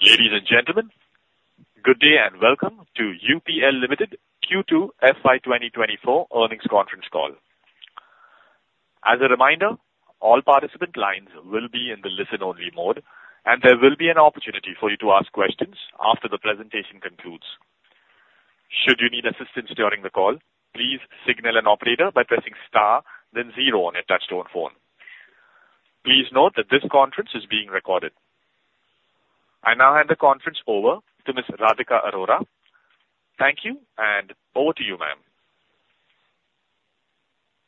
Ladies and gentlemen, good day, and welcome to UPL Limited Q2 FY 2024 earnings conference call. As a reminder, all participant lines will be in the listen-only mode, and there will be an opportunity for you to ask questions after the presentation concludes. Should you need assistance during the call, please signal an operator by pressing star then zero on your touchtone phone. Please note that this conference is being recorded. I now hand the conference over to Ms. Radhika Arora. Thank you, and over to you, ma'am.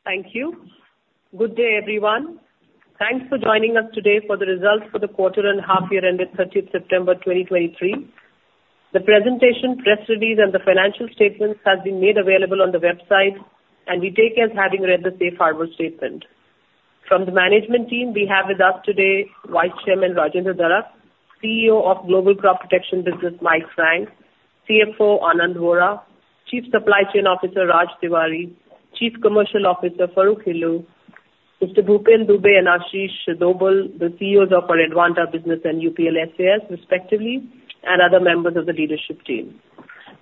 Thank you. Good day, everyone. Thanks for joining us today for the results for the quarter and half year ended 30 September 2023. The presentation, press release, and the financial statements have been made available on the website, and we take as having read the safe harbor statement. From the management team, we have with us today Vice Chairman Rajendra Darak, CEO of Global Crop Protection Business, Mike Frank, CFO, Anand Vora, Chief Supply Chain Officer, Raj Tiwari, Chief Commercial Officer, Farokh Hilloo, Mr. Bhupen Dubey and Ashish Dobhal, the CEOs of our Advanta business and UPL SAS respectively, and other members of the leadership team.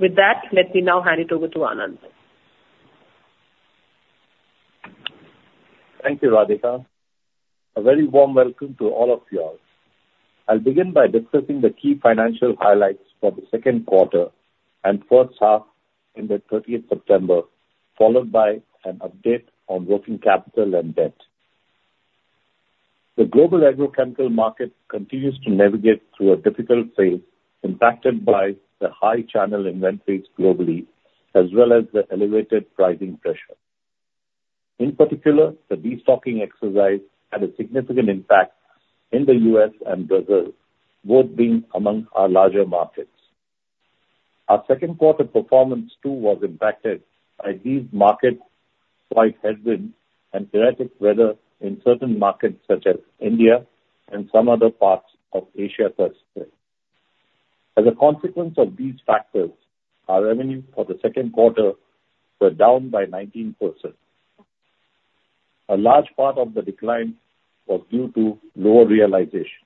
With that, let me now hand it over to Anand. Thank you, Radhika. A very warm welcome to all of you all. I'll begin by discussing the key financial highlights for the second quarter and first half in the thirtieth September, followed by an update on working capital and debt. The global agrochemical market continues to navigate through a difficult phase, impacted by the high channel inventories globally, as well as the elevated pricing pressure. In particular, the destocking exercise had a significant impact in the U.S. and Brazil, both being among our larger markets. Our second quarter performance, too, was impacted by these market-wide headwinds and erratic weather in certain markets, such as India and some other parts of Asia Pacific. As a consequence of these factors, our revenue for the second quarter were down by 19%. A large part of the decline was due to lower realization.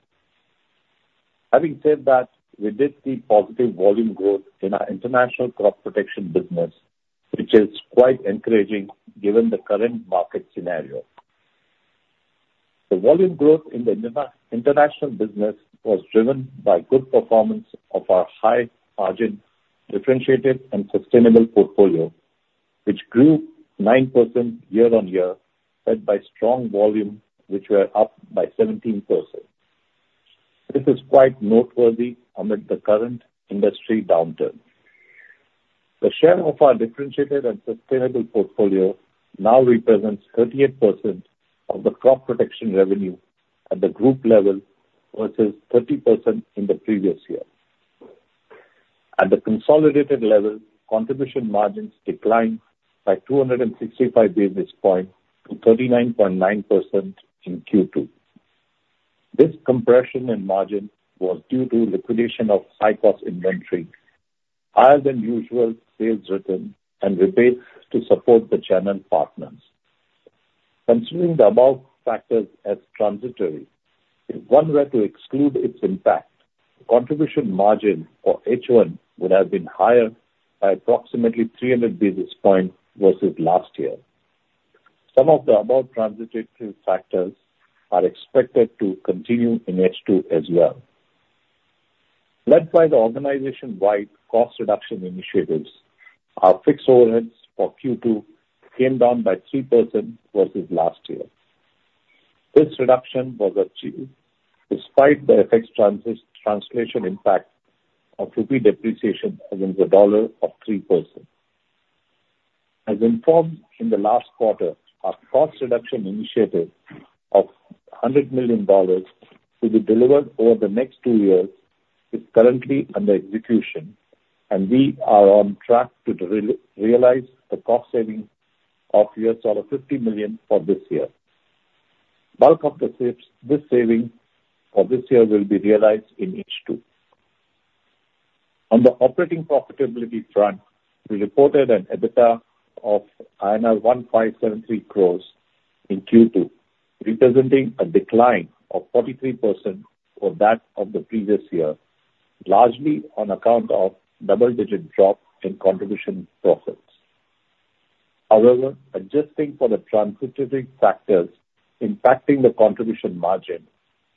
Having said that, we did see positive volume growth in our international crop protection business, which is quite encouraging given the current market scenario. The volume growth in the international business was driven by good performance of our high-margin, differentiated, and sustainable portfolio, which grew 9% year-on-year, led by strong volume, which were up by 17%. This is quite noteworthy amid the current industry downturn. The share of our differentiated and sustainable portfolio now represents 38% of the crop protection revenue at the group level, versus 30% in the previous year. At the consolidated level, contribution margins declined by 265 basis points to 39.9% in Q2. This compression in margin was due to liquidation of high-cost inventory, higher than usual sales return, and rebates to support the channel partners. Considering the above factors as transitory, if one were to exclude its impact, the contribution margin for H1 would have been higher by approximately 300 basis points versus last year. Some of the above transitory factors are expected to continue in H2 as well. Led by the organization-wide cost reduction initiatives, our fixed overheads for Q2 came down by 3% versus last year. This reduction was achieved despite the FX translation impact of rupee depreciation against the dollar of 3%. As informed in the last quarter, our cost reduction initiative of $100 million to be delivered over the next two years is currently under execution, and we are on track to realize the cost savings of $50 million for this year. Bulk of the savings, this saving for this year will be realized in H2. On the operating profitability front, we reported an EBITDA of INR 1,573 crores in Q2, representing a decline of 43% over that of the previous year, largely on account of double-digit drop in contribution profits. However, adjusting for the transitory factors impacting the contribution margin,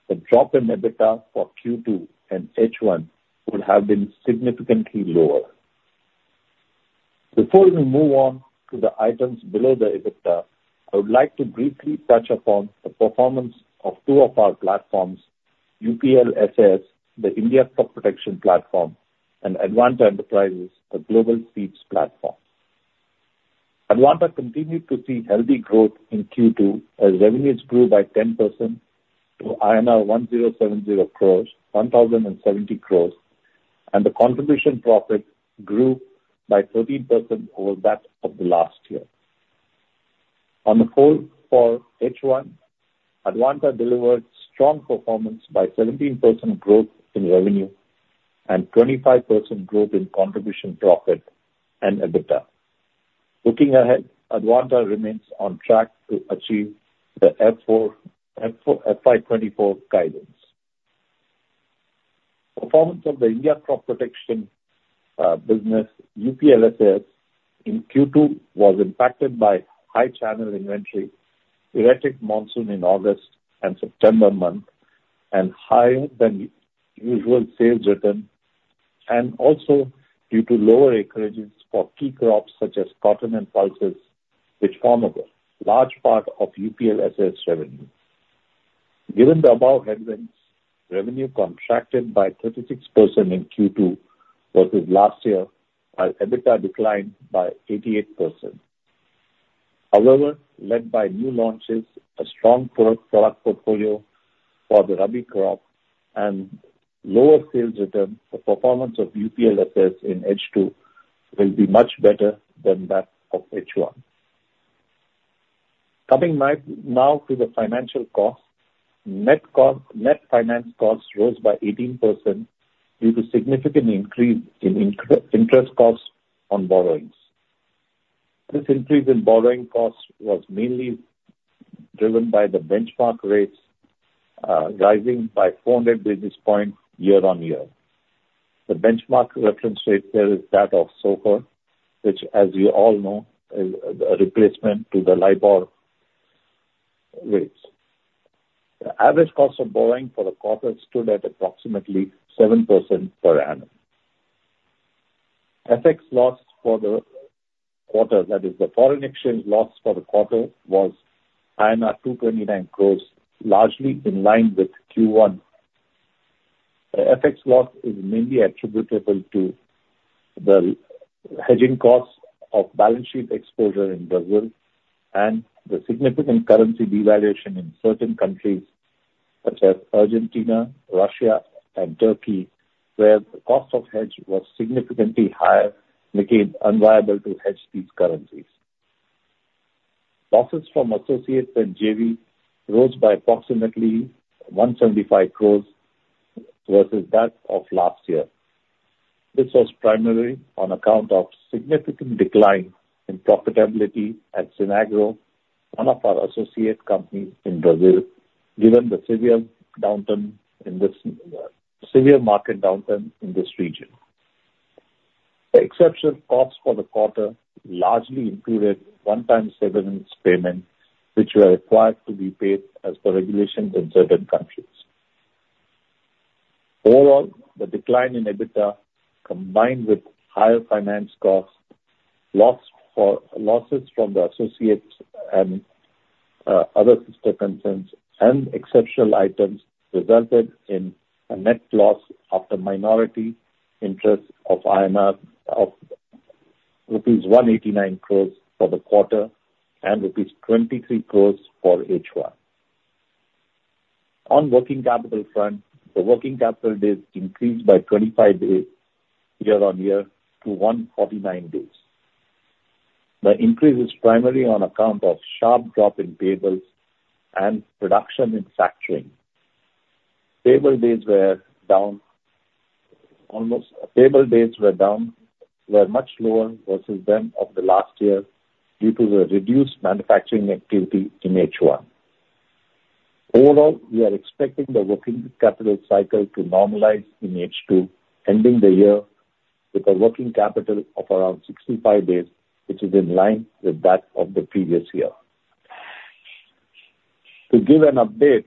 the drop in EBITDA for Q2 and H1 would have been significantly lower. Before we move on to the items below the EBITDA, I would like to briefly touch upon the performance of two of our platforms, UPL SAS, the India Crop Protection platform, and Advanta, the Global Seeds platform. Advanta continued to see healthy growth in Q2, as revenues grew by 10% to INR 1,070 crores, 1,070 crores, and the contribution profit grew by 13% over that of the last year. On the whole, for H1, Advanta delivered strong performance by 17% growth in revenue and 25% growth in contribution profit and EBITDA. Looking ahead, Advanta remains on track to achieve the FY 2024 guidance. Performance of the India crop protection business, UPL SAS, in Q2 was impacted by high channel inventory, erratic monsoon in August and September month, and higher than usual sales return, and also due to lower acreages for key crops such as cotton and pulses, which form a large part of UPL SAS revenue. Given the above headwinds, revenue contracted by 36% in Q2 versus last year, while EBITDA declined by 88%. However, led by new launches, a strong proprietary product portfolio for the Rabi crop and lower sales return, the performance of UPL SAS in H2 will be much better than that of H1. Coming now to the financial cost, net cost, net finance costs rose by 18% due to significant increase in interest costs on borrowings. This increase in borrowing costs was mainly driven by the benchmark rates rising by 400 basis points year-on-year. The benchmark reference rate there is that of SOFR, which, as you all know, is a replacement to the LIBOR rates. The average cost of borrowing for the quarter stood at approximately 7% per annum. FX loss for the quarter, that is the foreign exchange loss for the quarter, was INR 229 crores, largely in line with Q1. The FX loss is mainly attributable to the hedging costs of balance sheet exposure in Brazil and the significant currency devaluation in certain countries such as Argentina, Russia, and Turkey, where the cost of hedge was significantly higher, making unviable to hedge these currencies. Losses from associates and JV rose by approximately 175 crore versus that of last year. This was primarily on account of significant decline in profitability at Sinagro, one of our associate companies in Brazil, given the severe downturn in this, severe market downturn in this region. The exception costs for the quarter largely included one-time severance payments, which were required to be paid as per regulations in certain countries. Overall, the decline in EBITDA, combined with higher finance costs. Losses from the associates and other sister concerns and exceptional items resulted in a net loss after minority interest of rupees 189 crores for the quarter and rupees 23 crores for H1. On working capital front, the working capital days increased by 25 days year-on-year to 149 days. The increase is primarily on account of sharp drop in payables and reduction in factoring. Payable days were down, were much lower versus them of the last year due to the reduced manufacturing activity in H1. Overall, we are expecting the working capital cycle to normalize in H2, ending the year with a working capital of around 65 days, which is in line with that of the previous year. To give an update,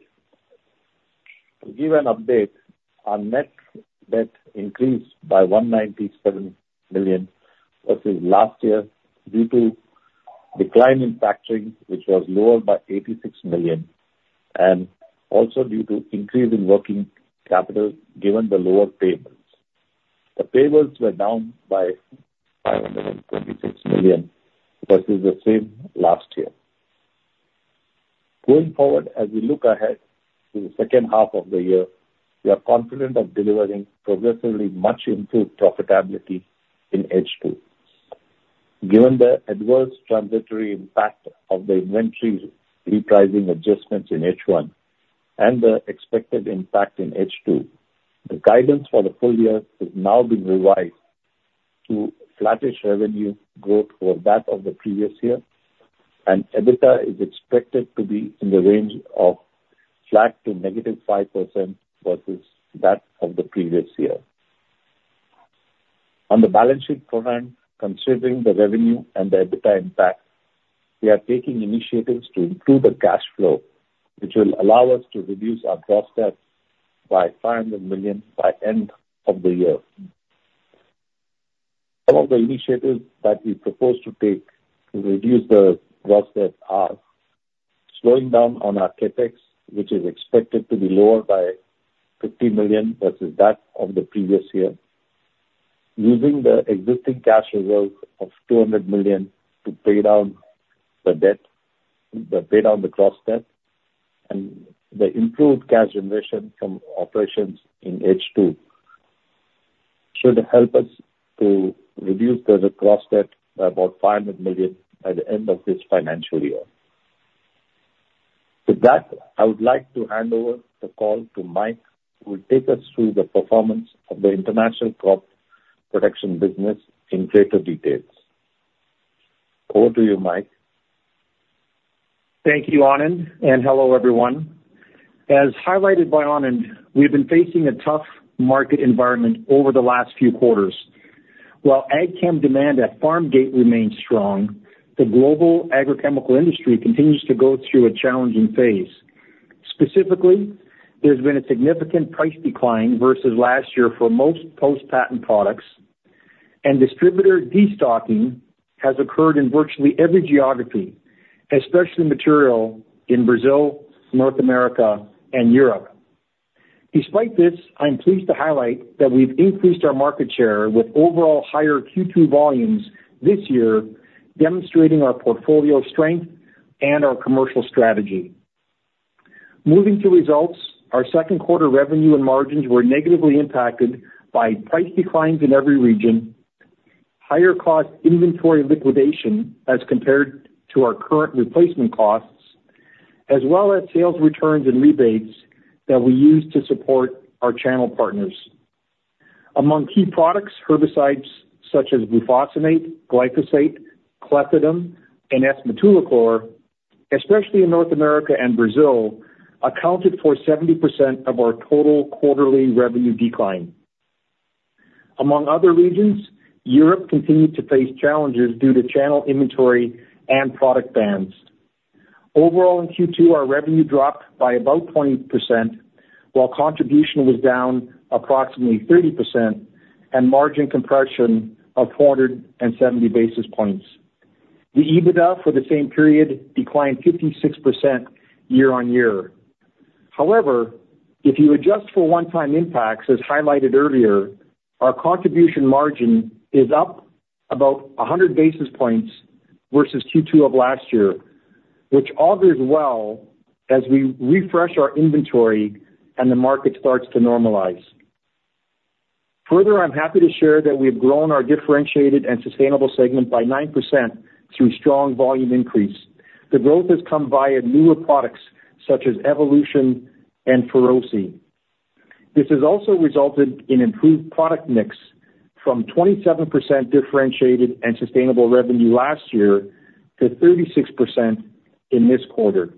our net debt increased by $197 million versus last year due to decline in factoring, which was lower by $86 million, and also due to increase in working capital, given the lower payments. The payments were down by $526 million versus the same last year. Going forward, as we look ahead to the second half of the year, we are confident of delivering progressively much improved profitability in H2. Given the adverse transitory impact of the inventory repricing adjustments in H1 and the expected impact in H2, the guidance for the full year has now been revised to flattish revenue growth for that of the previous year, and EBITDA is expected to be in the range of flat to -5% versus that of the previous year. On the balance sheet front, considering the revenue and the EBITDA impact, we are taking initiatives to improve the cash flow, which will allow us to reduce our gross debt by $500 million by end of the year. Some of the initiatives that we propose to take to reduce the gross debt are: slowing down on our CapEx, which is expected to be lower by $50 million versus that of the previous year, using the existing cash reserves of $200 million to pay down the debt, to pay down the gross debt, and the improved cash generation from operations in H2 should help us to reduce the gross debt by about $500 million by the end of this financial year. With that, I would like to hand over the call to Mike, who will take us through the performance of the international crop protection business in greater detail. Over to you, Mike. Thank you, Anand, and hello, everyone. As highlighted by Anand, we've been facing a tough market environment over the last few quarters. While agchem demand at farm gate remains strong, the global agrochemical industry continues to go through a challenging phase. Specifically, there's been a significant price decline versus last year for most post-patent products, and distributor destocking has occurred in virtually every geography, especially material in Brazil, North America, and Europe. Despite this, I'm pleased to highlight that we've increased our market share with overall higher Q2 volumes this year, demonstrating our portfolio strength and our commercial strategy. Moving to results, our second quarter revenue and margins were negatively impacted by price declines in every region, higher cost inventory liquidation as compared to our current replacement costs, as well as sales returns and rebates that we use to support our channel partners. Among key products, herbicides, such as glufosinate, glyphosate, clethodim, and S-metolachlor, especially in North America and Brazil, accounted for 70% of our total quarterly revenue decline. Among other regions, Europe continued to face challenges due to channel inventory and product bans. Overall, in Q2, our revenue dropped by about 20%, while contribution was down approximately 30% and margin compression of 470 basis points. The EBITDA for the same period declined 56% year-on-year. However, if you adjust for one-time impacts, as highlighted earlier, our contribution margin is up about 100 basis points versus Q2 of last year, which augurs well as we refresh our inventory and the market starts to normalize. Further, I'm happy to share that we've grown our differentiated and sustainable segment by 9% through strong volume increase. The growth has come via newer products such as Evolution and Feroce. This has also resulted in improved product mix from 27% differentiated and sustainable revenue last year to 36% in this quarter.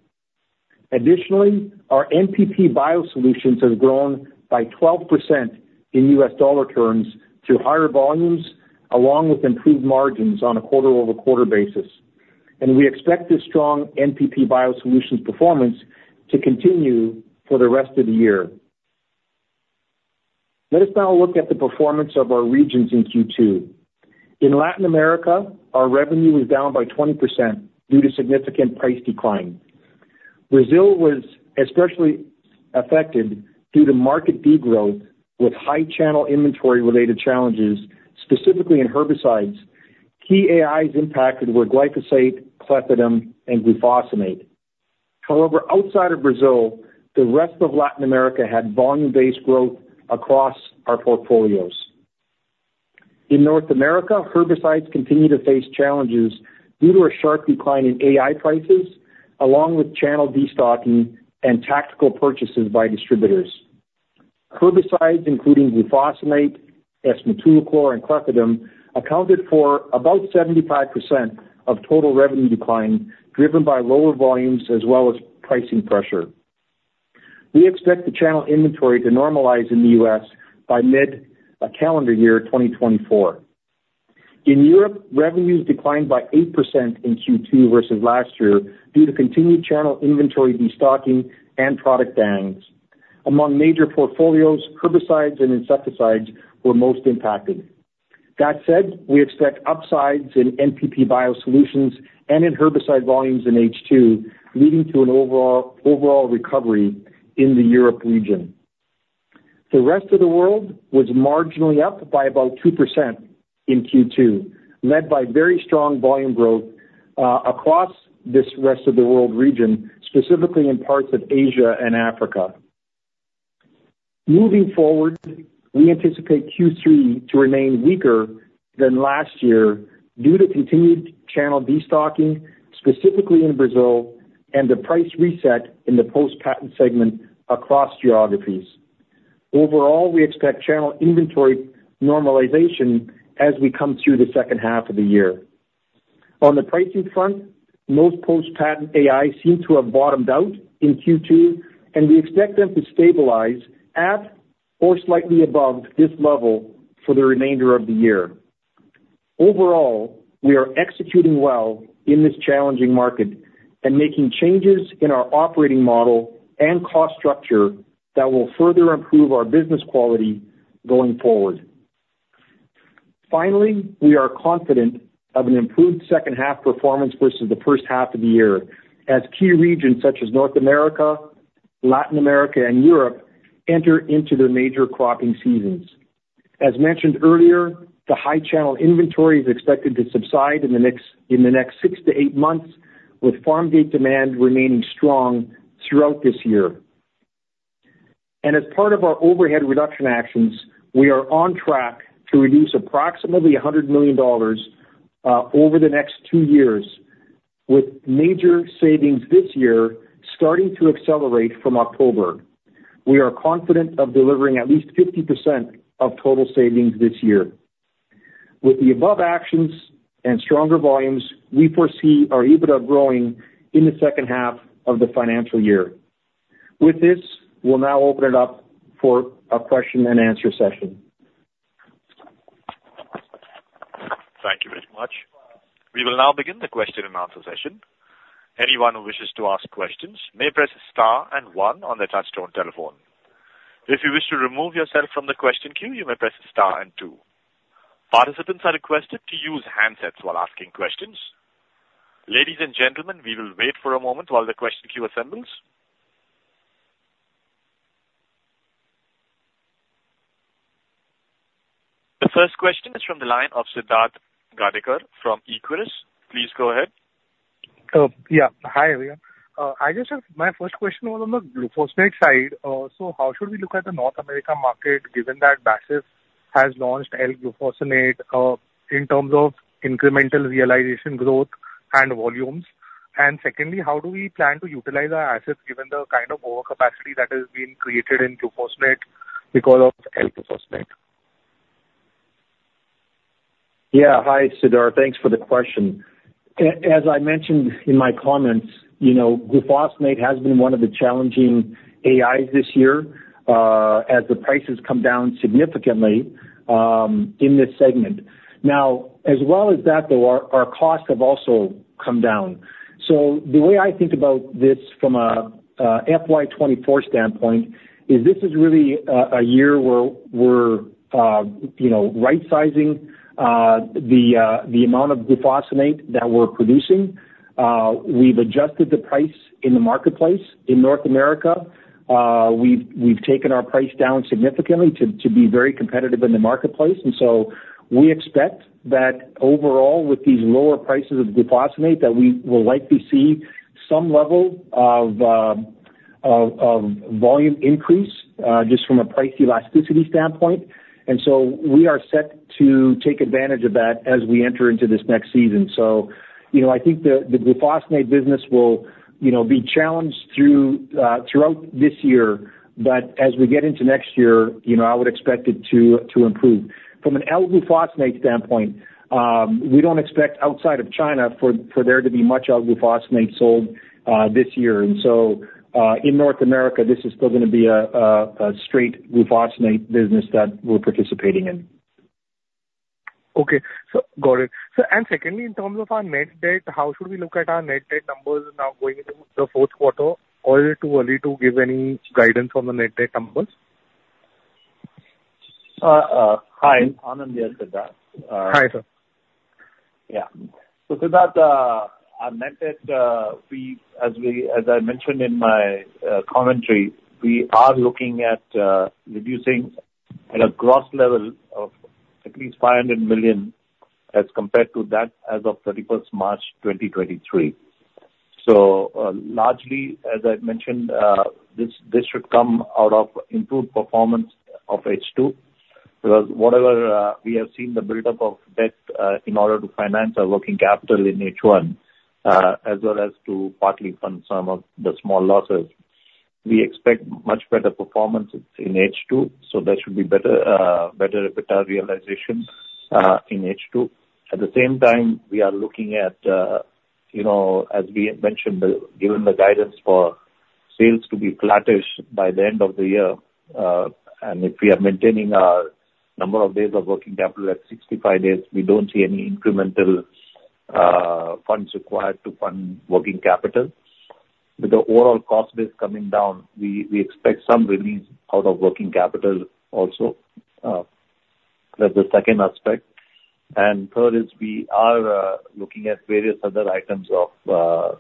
Additionally, our NPP Biosolutions has grown by 12% in U.S. dollar terms to higher volumes, along with improved margins on a quarter-over-quarter basis, and we expect this strong NPP Biosolutions performance to continue for the rest of the year. Let us now look at the performance of our regions in Q2. In Latin America, our revenue was down by 20% due to significant price decline. Brazil was especially affected due to market degrowth with high channel inventory-related challenges, specifically in herbicides. Key AIs impacted were glyphosate, clethodim, and glufosinate. However, outside of Brazil, the rest of Latin America had volume-based growth across our portfolios. In North America, herbicides continue to face challenges due to a sharp decline in AI prices, along with channel destocking and tactical purchases by distributors. Herbicides, including glufosinate, S-metolachlor, and clethodim, accounted for about 75% of total revenue decline, driven by lower volumes as well as pricing pressure. We expect the channel inventory to normalize in the U.S. by mid-calendar year 2024. In Europe, revenues declined by 8% in Q2 versus last year due to continued channel inventory destocking and product bans. Among major portfolios, herbicides and insecticides were most impacted. That said, we expect upsides in NPP Biosolutions and in herbicide volumes in H2, leading to an overall, overall recovery in the Europe region. The rest of the world was marginally up by about 2% in Q2, led by very strong volume growth, across this rest-of-the-world region, specifically in parts of Asia and Africa. Moving forward, we anticipate Q3 to remain weaker than last year due to continued channel destocking, specifically in Brazil, and the price reset in the post-patent segment across geographies. Overall, we expect channel inventory normalization as we come through the second half of the year. On the pricing front, most post-patent AIs seem to have bottomed out in Q2, and we expect them to stabilize at or slightly above this level for the remainder of the year. Overall, we are executing well in this challenging market and making changes in our operating model and cost structure that will further improve our business quality going forward. Finally, we are confident of an improved second half performance versus the first half of the year, as key regions such as North America, Latin America, and Europe enter into their major cropping seasons. As mentioned earlier, the high channel inventory is expected to subside in the next, in the next six months to eight months, with farm gate demand remaining strong throughout this year. As part of our overhead reduction actions, we are on track to reduce approximately $100 million over the next two years, with major savings this year starting to accelerate from October. We are confident of delivering at least 50% of total savings this year. With the above actions and stronger volumes, we foresee our EBITDA growing in the second half of the financial year. With this, we'll now open it up for a question-and-answer session. Thank you very much. We will now begin the question-and-answer session. Anyone who wishes to ask questions may press star and one on their touchtone telephone. If you wish to remove yourself from the question queue, you may press star and two. Participants are requested to use handsets while asking questions. Ladies and gentlemen, we will wait for a moment while the question queue assembles. The first question is from the line of Siddharth Gadekar from Equirus. Please go ahead. Yeah. Hi, everyone. I just have. My first question was on the glufosinate side. So how should we look at the North America market, given that BASF has launched L-glufosinate, in terms of incremental realization growth and volumes? And secondly, how do we plan to utilize our assets, given the kind of overcapacity that has been created in glufosinate because of L-glufosinate? Yeah. Hi, Siddharth. Thanks for the question. As I mentioned in my comments, you know, glufosinate has been one of the challenging AIs this year, as the price has come down significantly in this segment. Now, as well as that, though, our costs have also come down. So the way I think about this from a FY 2024 standpoint is this is really a year where we're, you know, rightsizing the amount of glufosinate that we're producing. We've adjusted the price in the marketplace in North America. We've taken our price down significantly to be very competitive in the marketplace. And so we expect that overall, with these lower prices of glufosinate, that we will likely see some level of volume increase just from a price elasticity standpoint. We are set to take advantage of that as we enter into this next season. So you know, I think the glufosinate business will, you know, be challenged throughout this year. But as we get into next year, you know, I would expect it to improve. From an L-glufosinate standpoint, we don't expect, outside of China, for there to be much L-glufosinate sold this year. And so in North America, this is still gonna be a straight glufosinate business that we're participating in. Okay. So, got it. And secondly, in terms of our net debt, how should we look at our net debt numbers now going into the fourth quarter? Or is it too early to give any guidance on the net debt numbers? Hi. Anand here, Siddharth. Hi, sir. Yeah. So Siddharth, our net debt, as I mentioned in my commentary, we are looking at reducing at a gross level of at least $500 million as compared to that as of 31st March, 2023. So, largely, as I mentioned, this should come out of improved performance of H2, because whatever we have seen the buildup of debt in order to finance our working capital in H1, as well as to partly fund some of the small losses. We expect much better performance in H2, so there should be better EBITDA realization in H2. At the same time, we are looking at, you know, as we had mentioned, given the guidance for sales to be flattish by the end of the year, and if we are maintaining our number of days of working capital at 65 days, we don't see any incremental funds required to fund working capital. With the overall cost base coming down, we, we expect some release out of working capital also. That's the second aspect. And third is we are looking at various other items of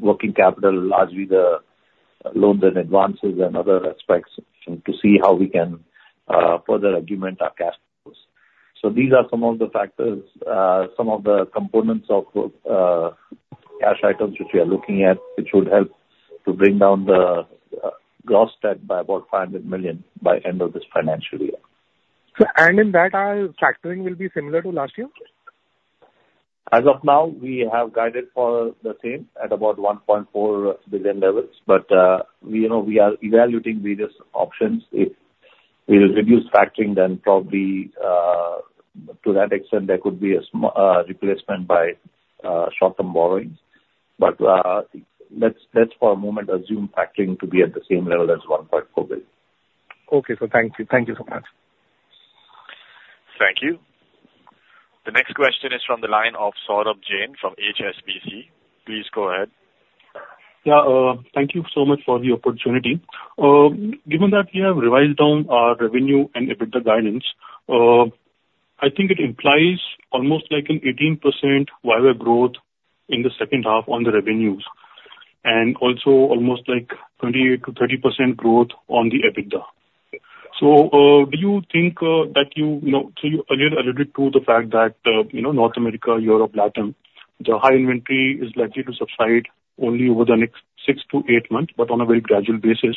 working capital, largely the loans and advances and other aspects, to see how we can further augment our cash flows. These are some of the factors, some of the components of cash items which we are looking at, which would help to bring down the gross debt by about $500 million by end of this financial year. In that, our factoring will be similar to last year? As of now, we have guided for the same at about $1.4 billion levels. But, we, you know, we are evaluating various options. If we reduce factoring, then probably, to that extent, there could be a replacement by short-term borrowings. But, let's, let's for a moment assume factoring to be at the same level as $1.4 billion. Okay, so thank you. Thank you so much. Thank you. The next question is from the line of Saurabh Jain from HSBC. Please go ahead. Yeah, thank you so much for the opportunity. Given that we have revised down our revenue and EBITDA guidance, I think it implies almost like an 18% YoY growth in the second half on the revenues, and also almost like 28%-30% growth on the EBITDA. So, do you think that you know, so you earlier alluded to the fact that, you know, North America, Europe, Latin, the high inventory is likely to subside only over the next six months to eight months, but on a very gradual basis.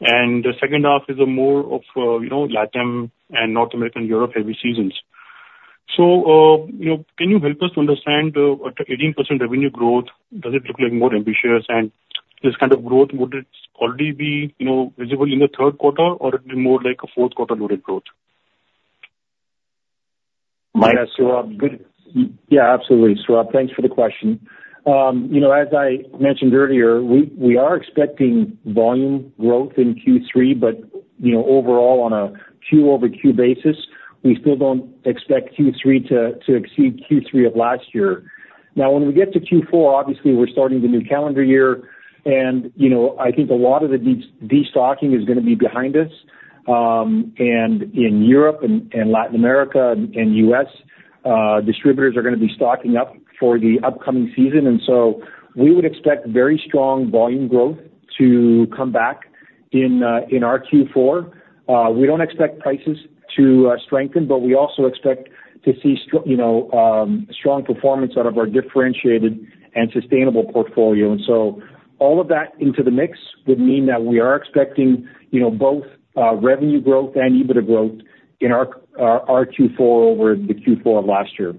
And the second half is a more of, you know, Latin and North American, Europe heavy seasons. You know, can you help us understand, at 18% revenue growth, does it look like more ambitious and this kind of growth, would it already be, you know, visible in the third quarter, or it'd be more like a fourth quarter loaded growth? Yeah, sure. Good. Yeah, absolutely, Saurabh, thanks for the question. You know, as I mentioned earlier, we, we are expecting volume growth in Q3, but, you know, overall, on a Q over Q basis, we still don't expect Q3 to, to exceed Q3 of last year. Now, when we get to Q4, obviously we're starting the new calendar year and, you know, I think a lot of the destocking is gonna be behind us. And in Europe and, and Latin America and U.S., distributors are gonna be stocking up for the upcoming season, and so we would expect very strong volume growth to come back in, in our Q4. We don't expect prices to, strengthen, but we also expect to see you know, strong performance out of our differentiated and sustainable portfolio. And so all of that into the mix would mean that we are expecting, you know, both revenue growth and EBITDA growth in our Q4 over the Q4 of last year.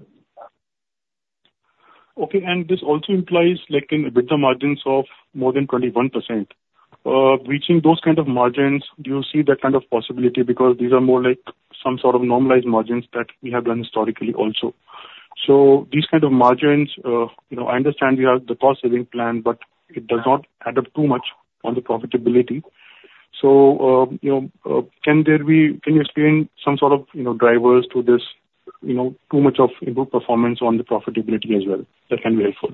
Okay. And this also implies like an EBITDA margins of more than 21%. Reaching those kind of margins, do you see that kind of possibility? Because these are more like some sort of normalized margins that we have done historically also. So these kind of margins, you know, I understand you have the cost saving plan, but it does not add up too much on the profitability. So, you know, can there be- can you explain some sort of, you know, drivers to this, you know, too much of a good performance on the profitability as well? That can be helpful.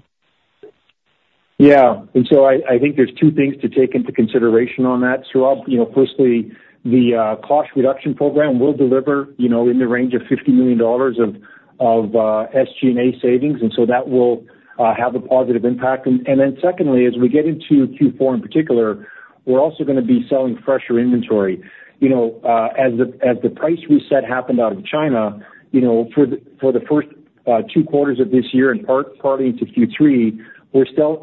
Yeah. And so I think there's two things to take into consideration on that, Saurabh. You know, firstly, the cost reduction program will deliver, you know, in the range of $50 million of SG&A savings, and so that will have a positive impact. And then secondly, as we get into Q4 in particular, we're also gonna be selling fresher inventory. You know, as the price reset happened out of China, you know, for the first two quarters of this year and partly into Q3, we're still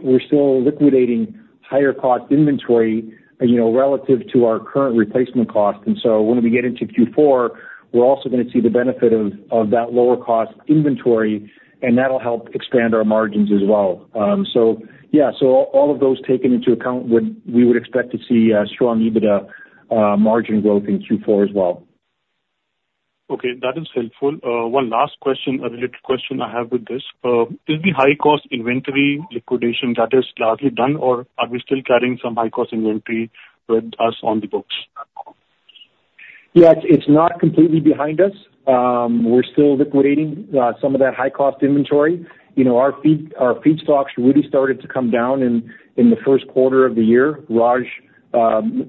liquidating higher cost inventory, you know, relative to our current replacement cost. And so when we get into Q4, we're also gonna see the benefit of that lower cost inventory, and that'll help expand our margins as well. So yeah, so all of those taken into account, we would expect to see strong EBITDA margin growth in Q4 as well. Okay, that is helpful. One last question, a little question I have with this. Is the high cost inventory liquidation, that is largely done, or are we still carrying some high cost inventory with us on the books? Yeah, it's not completely behind us. We're still liquidating some of that high cost inventory. You know, our feed, our feed stocks really started to come down in the first quarter of the year. Raj,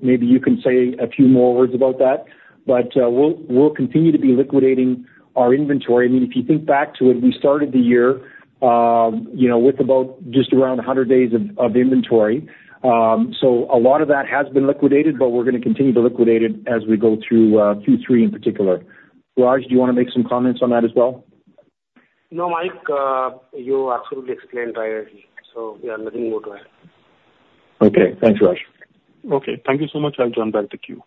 maybe you can say a few more words about that, but we'll continue to be liquidating our inventory. I mean, if you think back to it, we started the year, you know, with about just around 100 days of inventory. So a lot of that has been liquidated, but we're gonna continue to liquidate it as we go through Q3 in particular. Raj, do you wanna make some comments on that as well? No, Mike, you absolutely explained rightly, so yeah, nothing more to add. Okay, thanks, Raj. Okay, thank you so much. I'll join back the queue.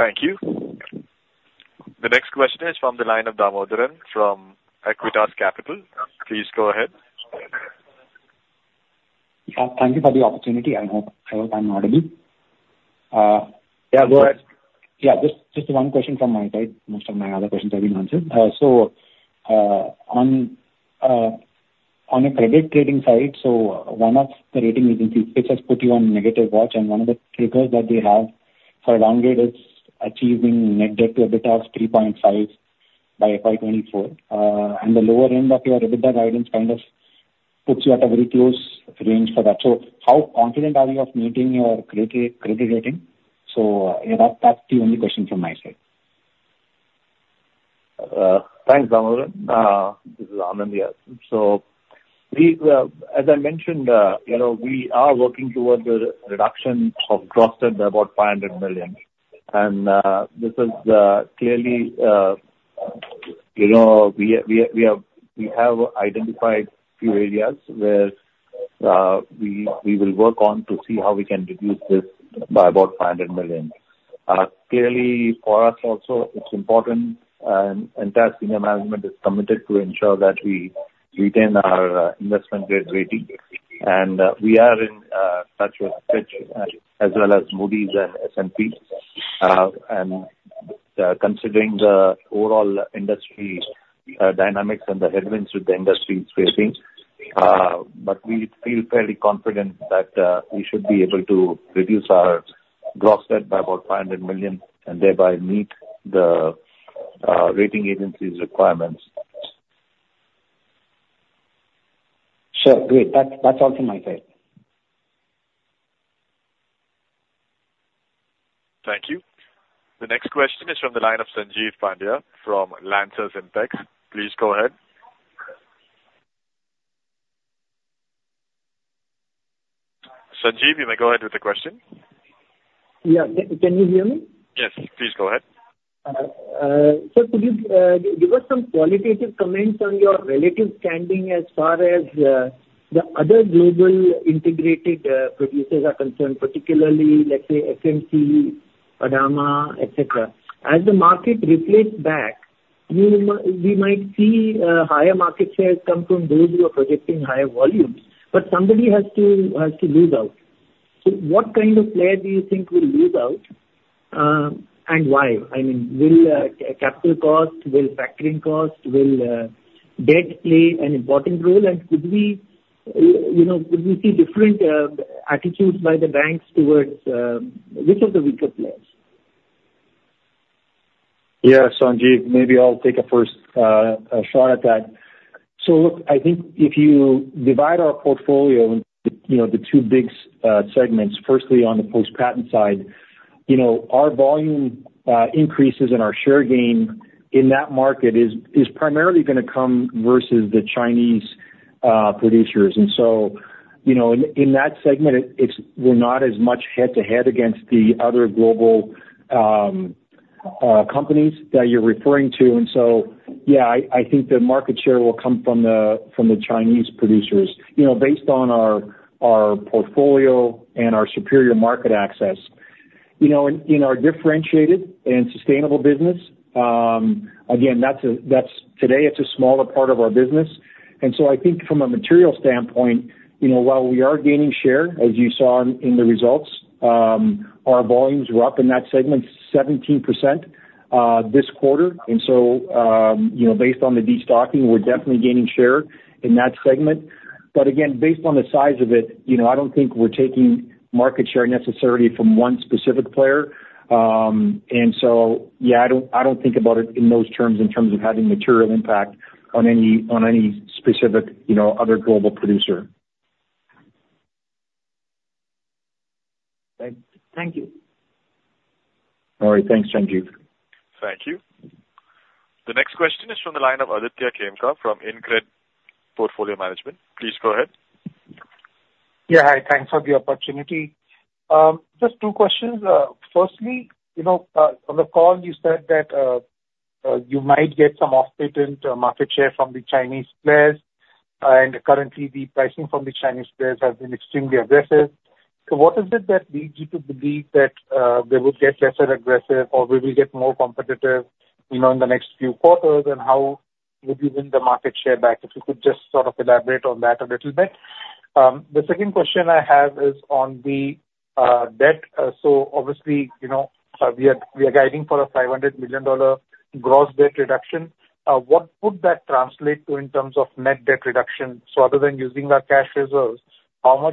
Thank you. The next question is from the line of Damodaran from Acuitas Capital. Please go ahead. Thank you for the opportunity. I hope, I hope I'm audible. Yeah, go ahead. Yeah, just one question from my side. Most of my other questions have been answered. So, on a credit trading side, one of the rating agencies, Fitch, has put you on negative watch, and one of the triggers that they have for downgrade is achieving net debt to EBITDA of 3.5 by FY 2024. And the lower end of your EBITDA guidance kind of puts you at a very close range for that. So how confident are you of meeting your credit rating? Yeah, that's the only question from my side. Thanks, Damodaran. This is Anand here. So we, as I mentioned, you know, we are working towards the reduction of gross debt, about $500 million. And, this is, clearly, you know, we have identified a few areas where we will work on to see how we can reduce this by about $500 million. Clearly for us also, it's important, and that senior management is committed to ensure that we retain our investment grade rating. And, we are in touch with Fitch, as well as Moody's and S&P. Considering the overall industry dynamics and the headwinds that the industry is facing, but we feel fairly confident that we should be able to reduce our gross debt by about $500 million and thereby meet the rating agency's requirements. Sure. Great. That's all from my side. Thank you. The next question is from the line of Sanjeev Pandiya from Lancers Impex. Please go ahead. Sanjeev, you may go ahead with the question. Yeah. Can you hear me? Yes, please go ahead. So could you give us some qualitative comments on your relative standing as far as the other global integrated producers are concerned, particularly, let's say, FMC, Adama, et cetera? As the market reflects back, we might see higher market shares come from those who are projecting higher volumes, but somebody has to lose out. So what kind of player do you think will lose out, and why? I mean, will capital cost, will factoring cost, will debt play an important role? And could we, you know, could we see different attitudes by the banks towards which of the weaker players? Yeah, Sanjeev, maybe I'll take a first shot at that. So look, I think if you divide our portfolio in, you know, the two big segments, firstly, on the post-patent side, you know, our volume increases and our share gain in that market is primarily gonna come versus the Chinese producers. And so, you know, in that segment, it's - we're not as much head-to-head against the other global companies that you're referring to. And so, yeah, I think the market share will come from the Chinese producers, you know, based on our portfolio and our superior market access. You know, in our differentiated and sustainable business, again, that's -- today, it's a smaller part of our business. And so I think from a material standpoint, you know, while we are gaining share, as you saw in the results, our volumes were up in that segment 17%, this quarter. And so, you know, based on the destocking, we're definitely gaining share in that segment. But again, based on the size of it, you know, I don't think we're taking market share necessarily from one specific player. And so, yeah, I don't, I don't think about it in those terms, in terms of having material impact on any, on any specific, you know, other global producer. Thank you. All right. Thanks, Sanjeev. Thank you. The next question is from the line of Aditya Khemka from InCred Portfolio Management. Please go ahead. Yeah, hi. Thanks for the opportunity. Just two questions. Firstly, you know, on the call, you said that you might get some off-patent market share from the Chinese players, and currently, the pricing from the Chinese players has been extremely aggressive. So what is it that leads you to believe that they will get lesser aggressive, or will we get more competitive, you know, in the next few quarters? And how would you win the market share back? If you could just sort of elaborate on that a little bit. The second question I have is on the debt. So obviously, you know, we are guiding for a $500 million gross debt reduction. What would that translate to in terms of net debt reduction? So other than using our cash reserves, how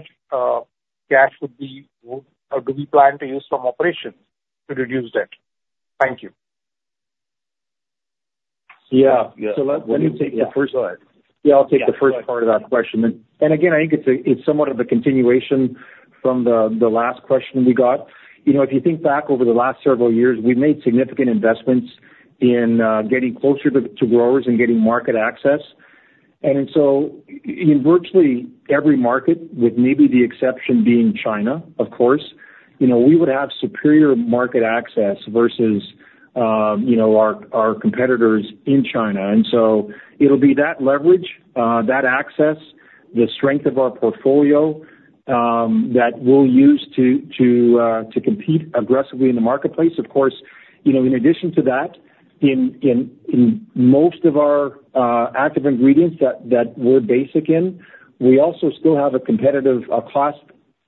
much cash would we or do we plan to use from operations to reduce debt? Thank you. Yeah. Yeah. So let me take the first- Go ahead. Yeah, I'll take the first part of that question. And again, I think it's a, it's somewhat of a continuation from the last question we got. You know, if you think back over the last several years, we've made significant investments in getting closer to growers and getting market access. And so in virtually every market, with maybe the exception being China, of course, you know, we would have superior market access versus our competitors in China. And so it'll be that leverage, that access, the strength of our portfolio, that we'll use to compete aggressively in the marketplace. Of course, you know, in addition to that, in most of our active ingredients that we're based in, we also still have a cost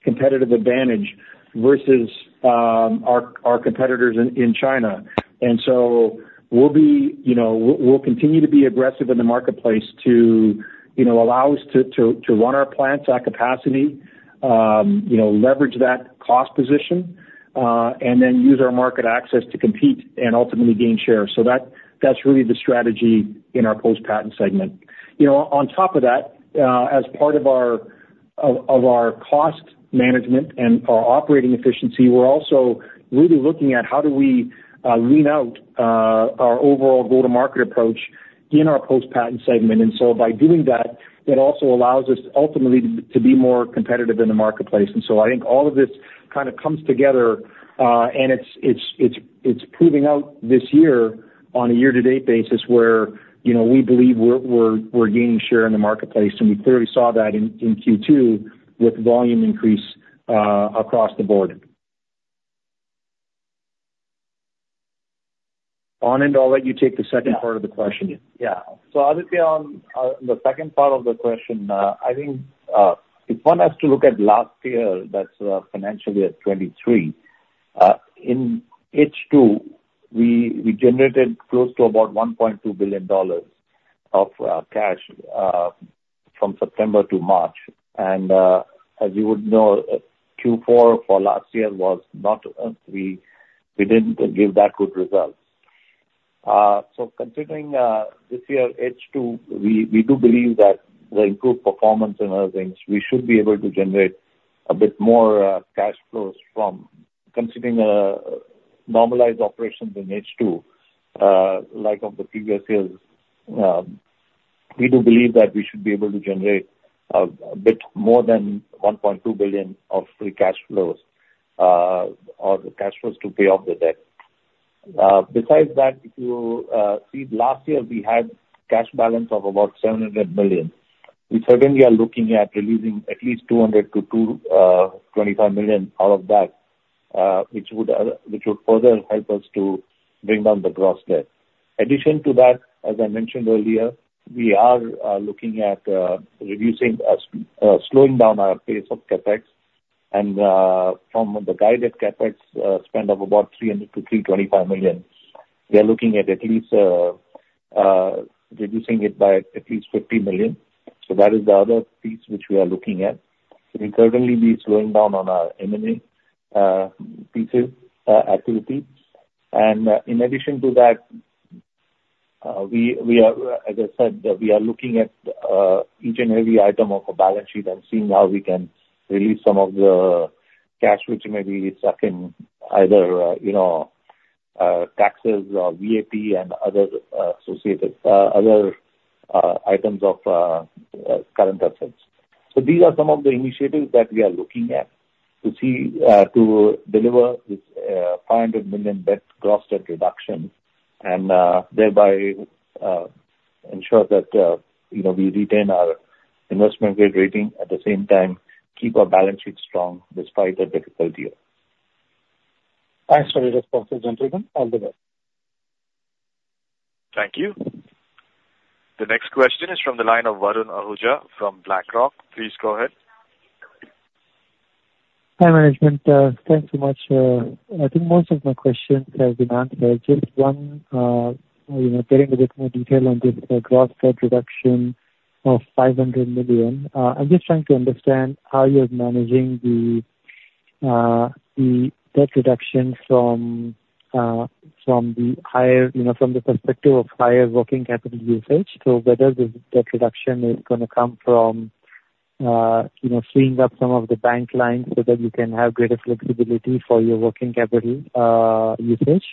competitive advantage versus our competitors in China. And so we'll be, you know, we'll continue to be aggressive in the marketplace to, you know, allow us to run our plants at capacity, you know, leverage that cost position, and then use our market access to compete and ultimately gain share. So that's really the strategy in our post-patent segment. You know, on top of that, as part of our cost management and our operating efficiency, we're also really looking at how do we lean out our overall go-to-market approach in our post-patent segment. And so by doing that, it also allows us ultimately to be more competitive in the marketplace. And so I think all of this kind of comes together, and it's proving out this year on a year-to-date basis where, you know, we believe we're gaining share in the marketplace, and we clearly saw that in Q2 with volume increase across the board. Anand, I'll let you take the second part of the question. Yeah. So Aditya, on the second part of the question, I think if one has to look at last year, that's financially 2023, in H2, we generated close to about $1.2 billion of cash from September to March. And as you would know, Q4 for last year was not. We didn't give that good result. So considering this year, H2, we do believe that the improved performance and other things, we should be able to generate a bit more cash flows from considering normalized operations in H2 like of the previous years. We do believe that we should be able to generate a bit more than $1.2 billion of Free Cash Flows or the cash flows to pay off the debt. Besides that, if you see last year, we had cash balance of about $700 million. We certainly are looking at releasing at least $200 million-$225 million out of that, which would further help us to bring down the gross debt. Addition to that, as I mentioned earlier, we are looking at reducing, as, slowing down our pace of CapEx, and from the guided CapEx spend of about $300 million-$325 million, we are looking at least reducing it by at least $50 million. So that is the other piece which we are looking at. We certainly be slowing down on our M&A pieces activity. In addition to that, we, we are, as I said, that we are looking at each and every item of a balance sheet and seeing how we can release some of the cash, which may be stuck in either, you know, taxes or VAP and other associated other items of current assets. So these are some of the initiatives that we are looking at to see, to deliver this $500 million debt, gross debt reduction and, thereby, ensure that, you know, we retain our investment grade rating, at the same time, keep our balance sheet strong despite the difficult year. Thanks for your responses, gentlemen. All the best. Thank you. The next question is from the line of Varun Ahuja from BlackRock. Please go ahead. Hi, management. Thanks so much. I think most of my questions have been answered. Just one, you know, getting a bit more detail on the gross debt reduction of $500 million. I'm just trying to understand how you're managing the debt reduction from the higher, you know, from the perspective of higher working capital usage. So whether the debt reduction is gonna come from, you know, freeing up some of the bank lines so that you can have greater flexibility for your working capital usage,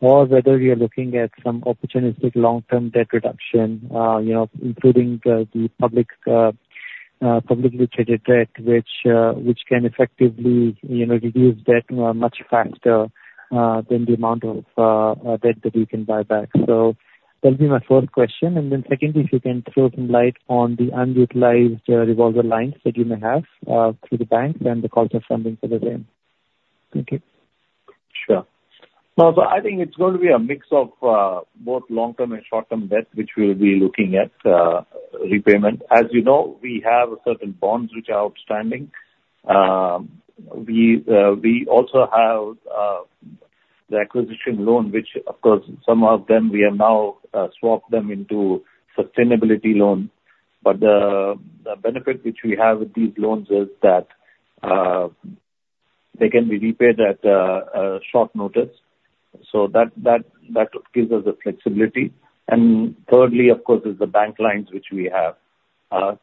or whether you are looking at some opportunistic long-term debt reduction, you know, including the publicly traded debt, which can effectively, you know, reduce debt much faster than the amount of debt that you can buy back. So that'll be my first question. And then secondly, if you can throw some light on the underutilized revolver lines that you may have through the banks and the cost of funding for the same? Thank you. Sure. No, so I think it's going to be a mix of both long-term and short-term debt, which we'll be looking at repayment. As you know, we have certain bonds which are outstanding. We also have the acquisition loan, which of course, some of them we have now swapped them into sustainability loan. But the benefit which we have with these loans is that they can be repaid at a short notice, so that gives us the flexibility. And thirdly, of course, is the bank lines, which we have.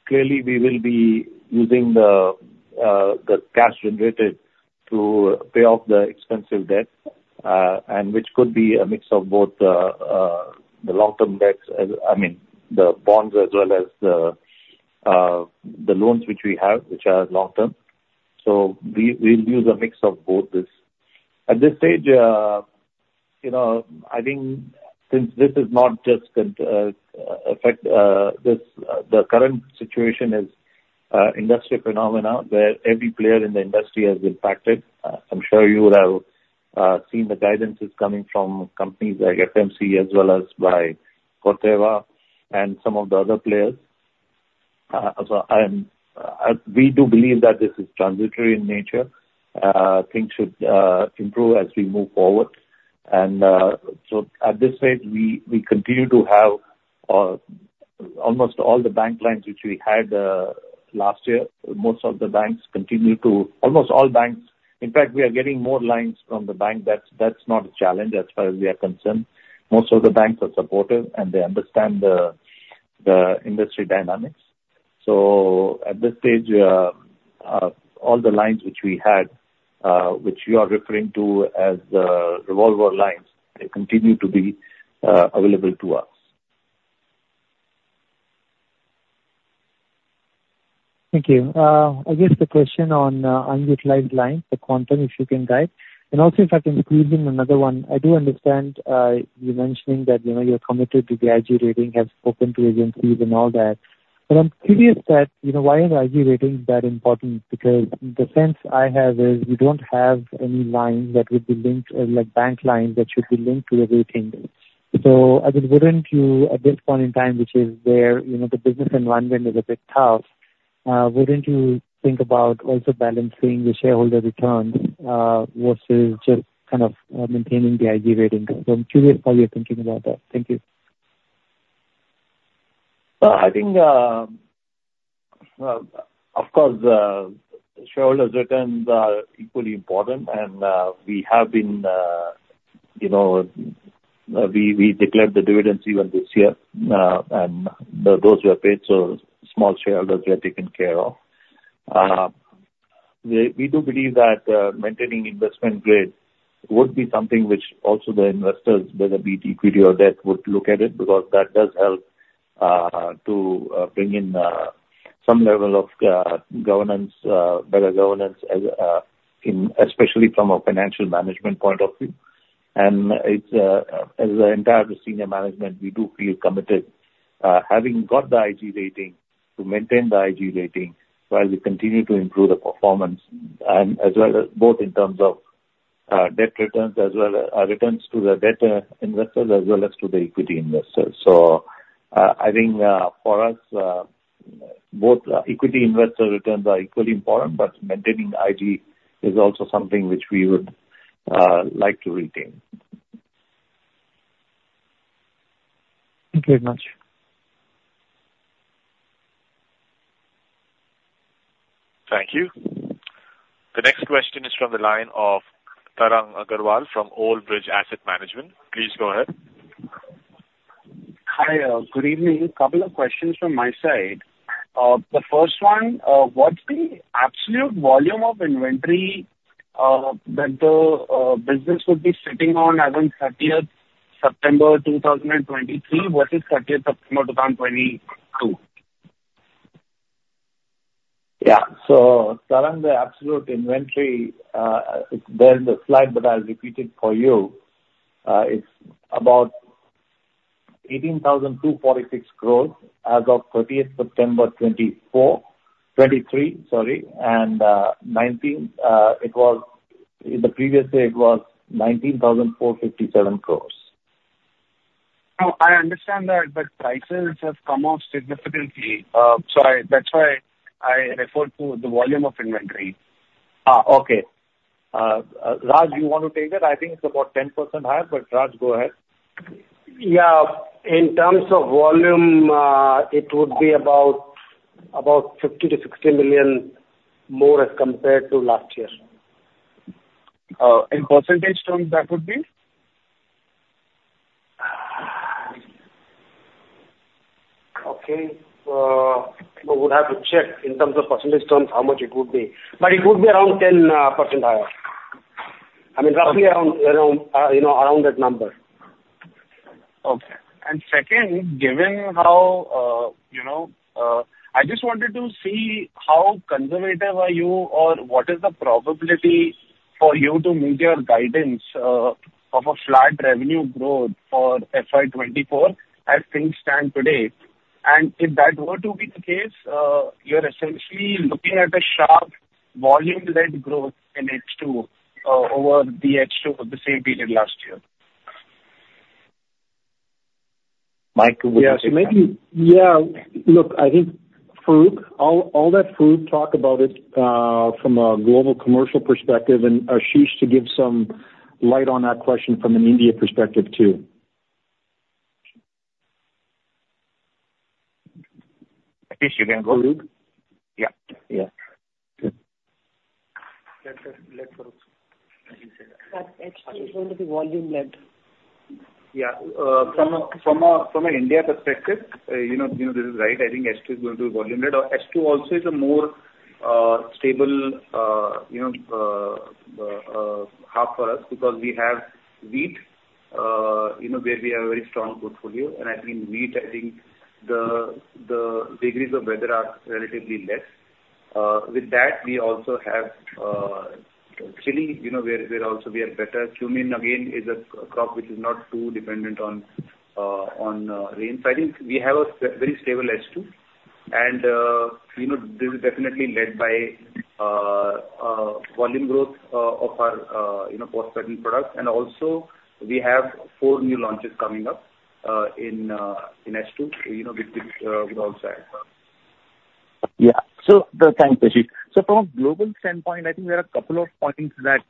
Clearly, we will be using the cash generated to pay off the expensive debt, and which could be a mix of both the long-term debts, as, I mean, the bonds as well as the loans which we have, which are long term. We will use a mix of both this. At this stage, you know, I think since this is not just con- affect, this, the current situation is industry phenomena, where every player in the industry has been impacted. I'm sure you would have seen the guidances coming from companies like FMC, as well as by Corteva and some of the other players. We do believe that this is transitory in nature. Things should improve as we move forward. So at this stage, we continue to have almost all the bank lines which we had last year. Almost all banks, in fact, we are getting more lines from the bank. That's not a challenge as far as we are concerned. Most of the banks are supportive, and they understand the industry dynamics. So at this stage, all the lines which we had, which you are referring to as the revolver lines, they continue to be available to us. Thank you. I guess the question on, underutilized lines, the quantum, if you can guide, and also if I can include in another one. I do understand, you mentioning that, you know, you're committed to the IG rating, have spoken to agencies and all that, but I'm curious that, you know, why is IG rating that important? Because the sense I have is you don't have any line that would be linked, like bank line, that should be linked to a rating. So I think, wouldn't you, at this point in time, which is where, you know, the business environment is a bit tough, wouldn't you think about also balancing the shareholder returns, versus just kind of maintaining the IG rating? So I'm curious how you're thinking about that. Thank you. Well, I think, of course, shareholders' returns are equally important, and we have been, you know, we declared the dividends even this year. And those were paid, so small shareholders were taken care of. We do believe that maintaining investment grade would be something which also the investors, whether be equity or debt, would look at it, because that does help to bring in some level of governance, better governance as in, especially from a financial management point of view. And it's, as the entire senior management, we do feel committed, having got the IG rating, to maintain the IG rating, while we continue to improve the performance. As well as both in terms of debt returns, as well as returns to the debt investors, as well as to the equity investors. I think, for us, both equity investor returns are equally important, but maintaining the IG is also something which we would like to retain. Thank you very much. Thank you. The next question is from the line of Tarang Agrawal from Old Bridge Asset Management. Please go ahead. Hi, good evening. A couple of questions from my side. The first one, what's the absolute volume of inventory that the business would be sitting on as on 30th September 2023, versus 30th September 2022? Yeah. Tarang, the absolute inventory, it's there in the slide, but I'll repeat it for you. It's about 18,246 crore as of 30th September 2023, and in the previous year it was 19,457 crore. No, I understand that, but prices have come off significantly, so that's why I referred to the volume of inventory. Raj, you want to take that? I think it's about 10% higher, but Raj, go ahead. Yeah. In terms of volume, it would be about $50 million-$60 million more as compared to last year. In percentage terms, that would be? Okay, I would have to check in terms of percentage terms, how much it would be. But it would be around 10% higher. I mean, roughly around, you know, around that number. Okay. And second, given how, you know, I just wanted to see how conservative are you or what is the probability for you to meet your guidance, of a flat revenue growth for FY 2024 as things stand today? And if that were to be the case, you're essentially looking at a sharp volume-led growth in H2, over the H2 of the same period last year. Mike, would you take that? Yeah. So maybe... Yeah, look, I think Farokh, I'll let Farokh talk about it from a global commercial perspective, and Ashish to give some light on that question from an India perspective, too. Ashish, you want to go? Yeah. Yeah. Let Farokh, like you said. H2 is going to be volume-led. Yeah. From an India perspective, you know, you know, this is right. I think H2 is going to be volume-led. H2 also is a more stable, you know, half for us, because we have wheat, you know, where we have a very strong portfolio. And I think wheat, I think the degrees of weather are relatively less. With that, we also have chili, you know, where also we are better. Cumin, again, is a crop which is not too dependent on rain. So I think we have a very stable H2. And, you know, this is definitely led by volume growth of our, you know, post-patent products. Also, we have four new launches coming up in H2, you know, which is also as well. Yeah. Thanks, Ashish. From a global standpoint, I think there are a couple of points that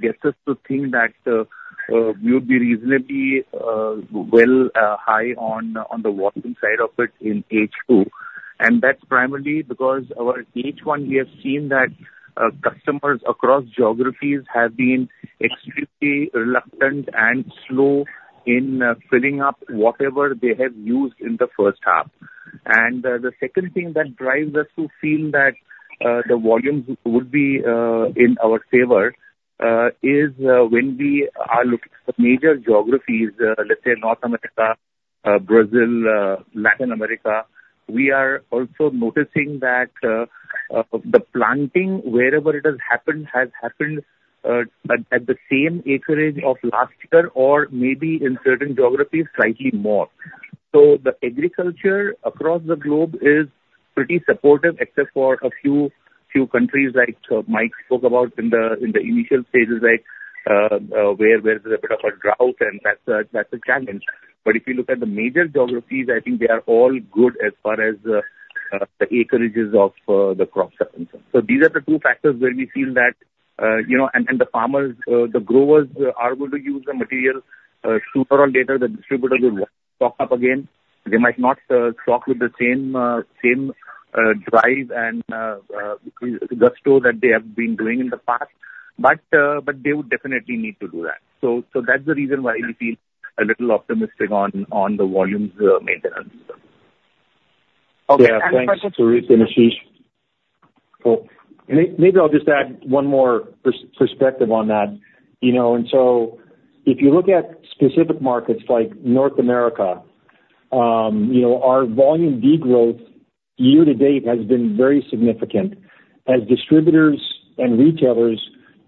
gets us to think that we would be reasonably well high on the working side of it in H2. That's primarily because our H1, we have seen that customers across geographies have been extremely reluctant and slow in filling up whatever they have used in the first half. The second thing that drives us to feel that the volumes would be in our favor is when we are looking at the major geographies, let's say North America, Brazil, Latin America, we are also noticing that the planting, wherever it has happened, has happened at the same acreage of last year, or maybe in certain geographies, slightly more. So the agriculture across the globe is pretty supportive, except for a few countries like Mike spoke about in the initial stages, like where there is a bit of a drought, and that's a challenge. But if you look at the major geographies, I think they are all good as far as the acreages of the crop circumstances. So these are the two factors where we feel that, you know, and the farmers, the growers are going to use the material sooner or later, the distributors will stock up again. They might not stock with the same drive and gusto that they have been doing in the past, but they would definitely need to do that. That's the reason why we feel a little optimistic on the volumes maintenance. Okay, thanks, Farokh and Ashish. Well, maybe I'll just add one more perspective on that. You know, and so if you look at specific markets like North America, you know, our volume degrowth year to date has been very significant, as distributors and retailers,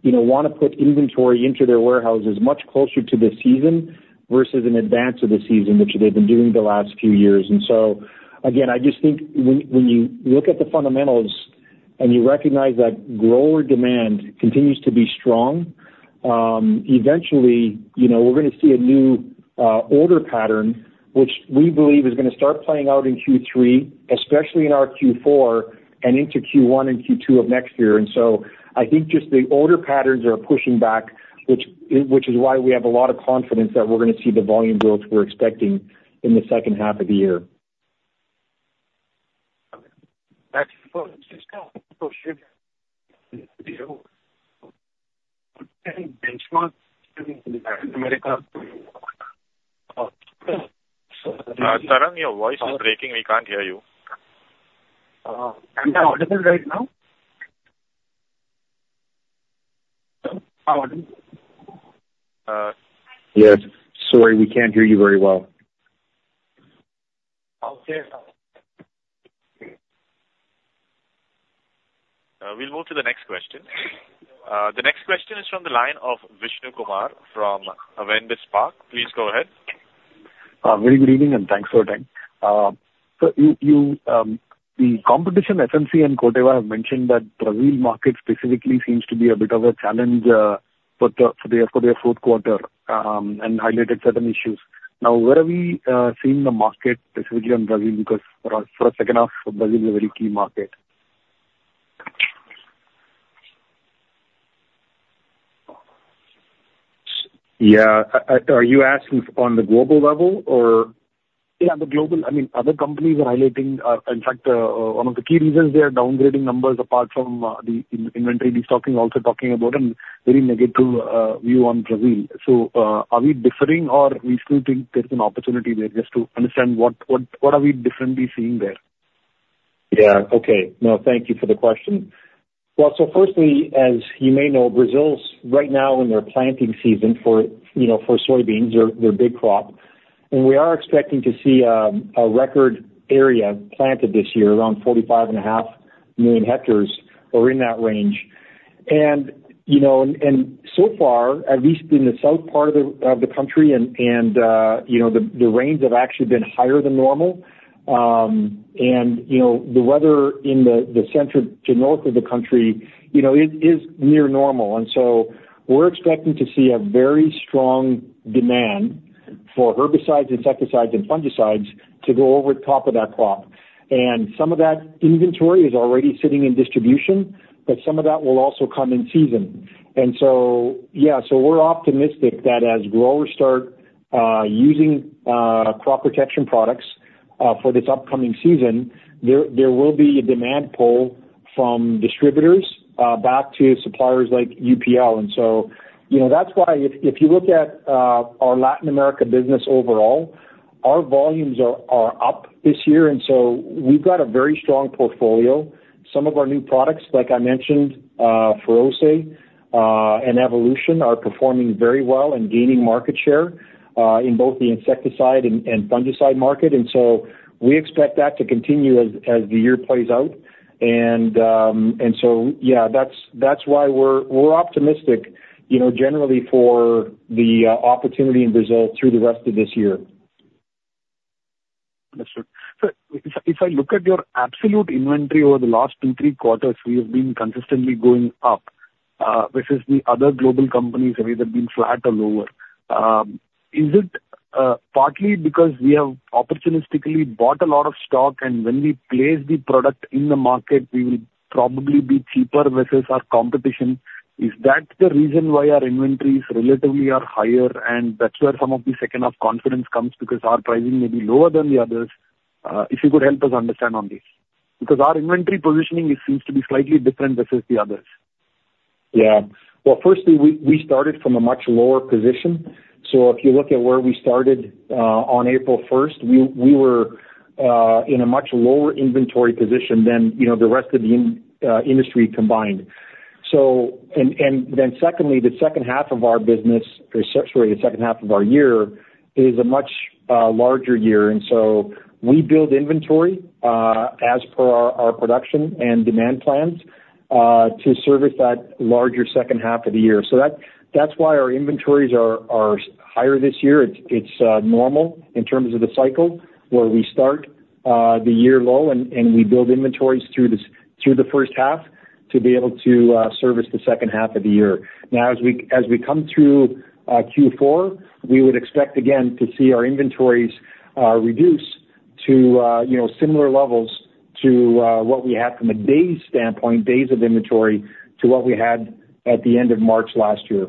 you know, wanna put inventory into their warehouses much closer to the season versus in advance of the season, which they've been doing the last few years. And so, again, I just think when you look at the fundamentals and you recognize that grower demand continues to be strong, eventually, you know, we're gonna see a new, order pattern, which we believe is gonna start playing out in Q3, especially in our Q4 and into Q1 and Q2 of next year. So I think just the order patterns are pushing back, which is why we have a lot of confidence that we're gonna see the volume growth we're expecting in the second half of the year. Okay. That's Tarang, your voice is breaking. We can't hear you. Am I audible right now? How audible? Yes. Sorry, we can't hear you very well. Okay, now. We'll move to the next question. The next question is from the line of Vishnu Kumar from Avendus Spark. Please go ahead. Very good evening, and thanks for your time. So you, you, the competition, FMC and Corteva, have mentioned that Brazil market specifically seems to be a bit of a challenge, for the, for their, for their fourth quarter, and highlighted certain issues. Now, where are we seeing the market, specifically on Brazil? Because for us, for second half, Brazil is a very key market. Yeah. Are you asking on the global level or? Yeah, the global. I mean, other companies are highlighting, in fact, one of the key reasons they are downgrading numbers, apart from the inventory destocking, also talking about a very negative view on Brazil. So, are we differing or we still think there's an opportunity there? Just to understand what we are differently seeing there? Yeah. Okay. No, thank you for the question. Well, so firstly, as you may know, Brazil's right now in their planting season for, you know, for soybeans, their big crop. And we are expecting to see a record area planted this year, around 45.5 million hectares or in that range. And, you know, and so far, at least in the south part of the country, and, you know, the rains have actually been higher than normal. And, you know, the weather in the central to north of the country, you know, it is near normal. And so we're expecting to see a very strong demand for herbicides, insecticides and fungicides to go over the top of that crop. And some of that inventory is already sitting in distribution, but some of that will also come in season. Yeah, so we're optimistic that as growers start using crop protection products for this upcoming season, there will be a demand pull from distributors back to suppliers like UPL. You know, that's why if you look at our Latin America business overall, our volumes are up this year, and so we've got a very strong portfolio. Some of our new products, like I mentioned, Feroce and Evolution, are performing very well and gaining market share in both the insecticide and fungicide market. So we expect that to continue as the year plays out. Yeah, that's why we're optimistic, you know, generally for the opportunity in Brazil through the rest of this year. Understood. So if, if I look at your absolute inventory over the last two, three quarters, we have been consistently going up, versus the other global companies have either been flat or lower. Is it partly because we have opportunistically bought a lot of stock, and when we place the product in the market, we will probably be cheaper versus our competition? Is that the reason why our inventories relatively are higher, and that's where some of the second half confidence comes, because our pricing may be lower than the others? If you could help us understand on this. Because our inventory positioning, it seems to be slightly different versus the others. Yeah. Well, firstly, we started from a much lower position. So if you look at where we started on April first, we were in a much lower inventory position than, you know, the rest of the industry combined. So and then secondly, the second half of our business, or sorry, the second half of our year, is a much larger year. And so we build inventory as per our production and demand plans to service that larger second half of the year. So that's why our inventories are higher this year. It's normal in terms of the cycle, where we start the year low and we build inventories through the first half to be able to service the second half of the year. Now, as we come through Q4, we would expect again to see our inventories reduce to, you know, similar levels to what we had from a days standpoint, days of inventory, to what we had at the end of March last year.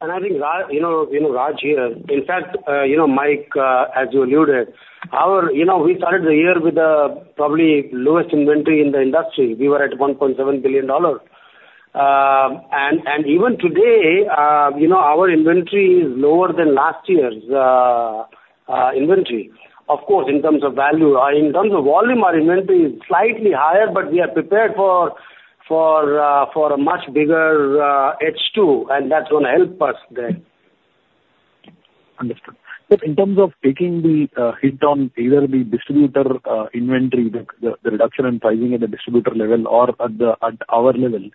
And I think, Raj, you know, you know, Raj here. In fact, you know, Mike, as you alluded, our you know, we started the year with the probably lowest inventory in the industry. We were at $1.7 billion. And even today, you know, our inventory is lower than last year's inventory. Of course, in terms of value, in terms of volume, our inventory is slightly higher, but we are prepared for a much bigger H2, and that's gonna help us then. Understood. But in terms of taking the hit on either the distributor inventory, the reduction in pricing at the distributor level or at our level,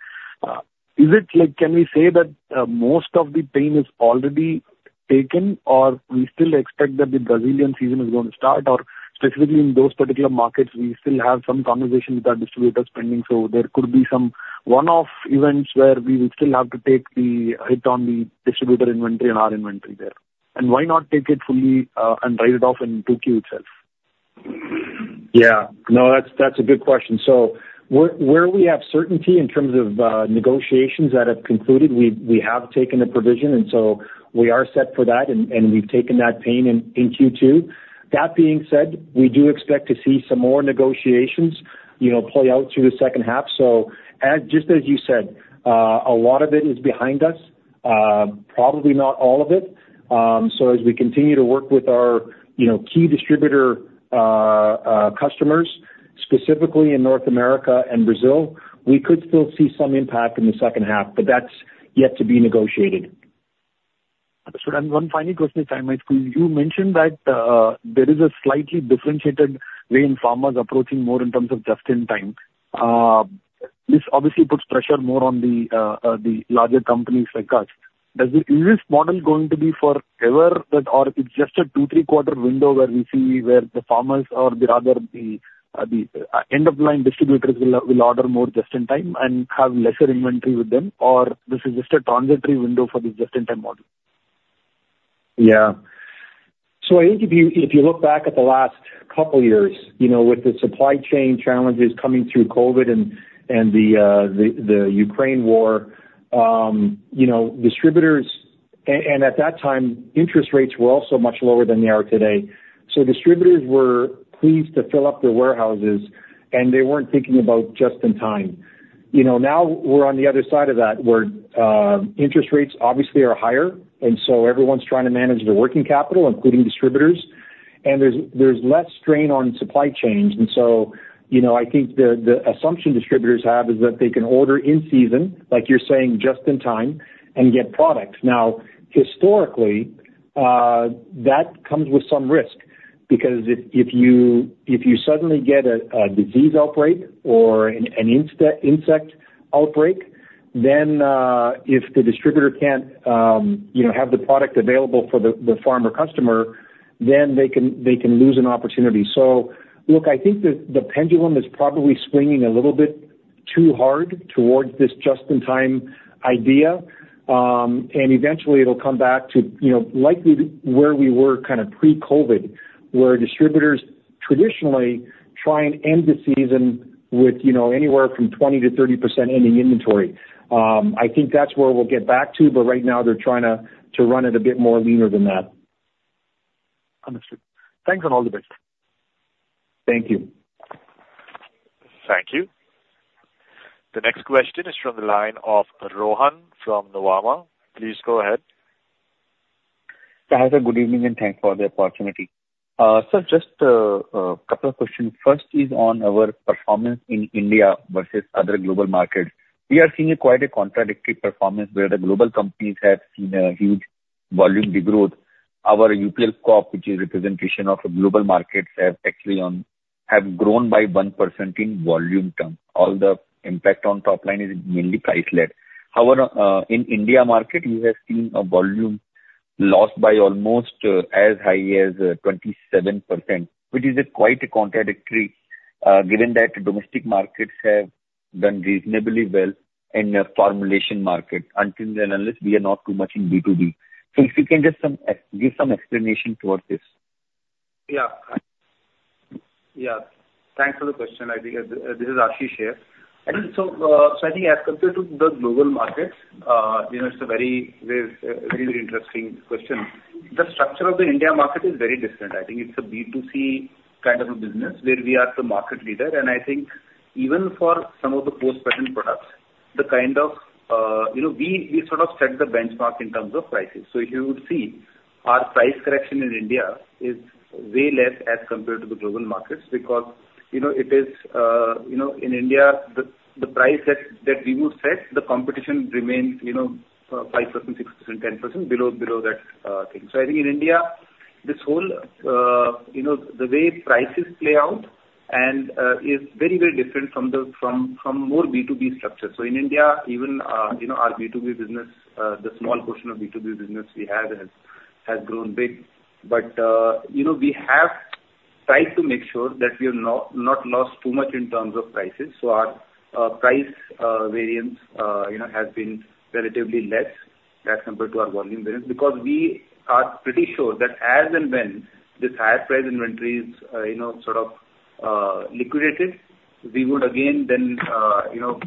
is it like, can we say that most of the pain is already taken, or we still expect that the Brazilian season is going to start? Or specifically in those particular markets, we still have some conversation with our distributor spending, so there could be some one-off events where we would still have to take the hit on the distributor inventory and our inventory there. And why not take it fully, and write it off in 2Q itself? Yeah. No, that's, that's a good question. So where, where we have certainty in terms of negotiations that have concluded, we, we have taken a provision, and so we are set for that and, and we've taken that pain in, in Q2. That being said, we do expect to see some more negotiations, you know, play out through the second half. So as, just as you said, a lot of it is behind us, probably not all of it. So as we continue to work with our, you know, key distributor customers, specifically in North America and Brazil, we could still see some impact in the second half, but that's yet to be negotiated. Understood. One final question, if I might. You mentioned that there is a slightly differentiated way in pharma is approaching more in terms of just in time. This obviously puts pressure more on the larger companies like us. Is this model going to be forever, or it's just a two, three quarter window where we see the farmers or, rather, the end-of-line distributors will order more just in time and have lesser inventory with them, or this is just a transitory window for the just-in-time model? Yeah. So I think if you, if you look back at the last couple years, you know, with the supply chain challenges coming through COVID and, and the Ukraine war, you know, distributors-- And at that time, interest rates were also much lower than they are today. So distributors were pleased to fill up their warehouses, and they weren't thinking about just in time. You know, now we're on the other side of that, where interest rates obviously are higher, and so everyone's trying to manage their working capital, including distributors. And there's less strain on supply chains, and so, you know, I think the assumption distributors have is that they can order in season, like you're saying, just in time, and get products. Now, historically, that comes with some risk, because if you suddenly get a disease outbreak or an insect outbreak, then if the distributor can't you know have the product available for the farmer customer, then they can lose an opportunity. So look, I think the pendulum is probably swinging a little bit too hard towards this just in time idea, and eventually it'll come back to you know likely where we were kind of pre-COVID, where distributors traditionally try and end the season with you know anywhere from 20%-30% ending inventory. I think that's where we'll get back to, but right now they're trying to run it a bit more leaner than that. Understood. Thanks, and all the best. Thank you. Thank you. The next question is from the line of Rohan from Nuvama. Please go ahead. Hi, there. Good evening, and thanks for the opportunity. Just a couple of questions. First is on our performance in India versus other global markets. We are seeing quite a contradictory performance, where the global companies have seen a huge volume degrowth. Our UPL Corporation, which is representation of global markets, have actually grown by 1% in volume terms. All the impact on top line is mainly price-led. However, in India market, you have seen a volume lost by almost as high as 27%, which is quite contradictory, given that domestic markets have done reasonably well in the formulation market. Until then, unless we are not too much in B2B. If you can just give some explanation towards this. Yeah. Yeah, thanks for the question. I think, this is Ashish here. And so, so I think as compared to the global markets, you know, it's a very, very, very interesting question. The structure of the India market is very different. I think it's a B2C kind of a business, where we are the market leader, and I think even for some of the post-patent products, the kind of, You know, we, we sort of set the benchmark in terms of prices. So you would see our price correction in India is way less as compared to the global markets, because, you know, it is, you know, in India, the, the price that, that we would set, the competition remains, you know, 5%, 6%, 10%, below, below that, thing. So I think in India, this whole, you know, the way prices play out and is very, very different from the, from, from more B2B structures. So in India, even, you know, our B2B business, the small portion of B2B business we have has grown big. But, you know, we have tried to make sure that we have not lost too much in terms of prices. So our price variance, you know, has been relatively less as compared to our volume variance. Because we are pretty sure that as and when this higher price inventories, you know, sort of liquidated, we would again then, you know,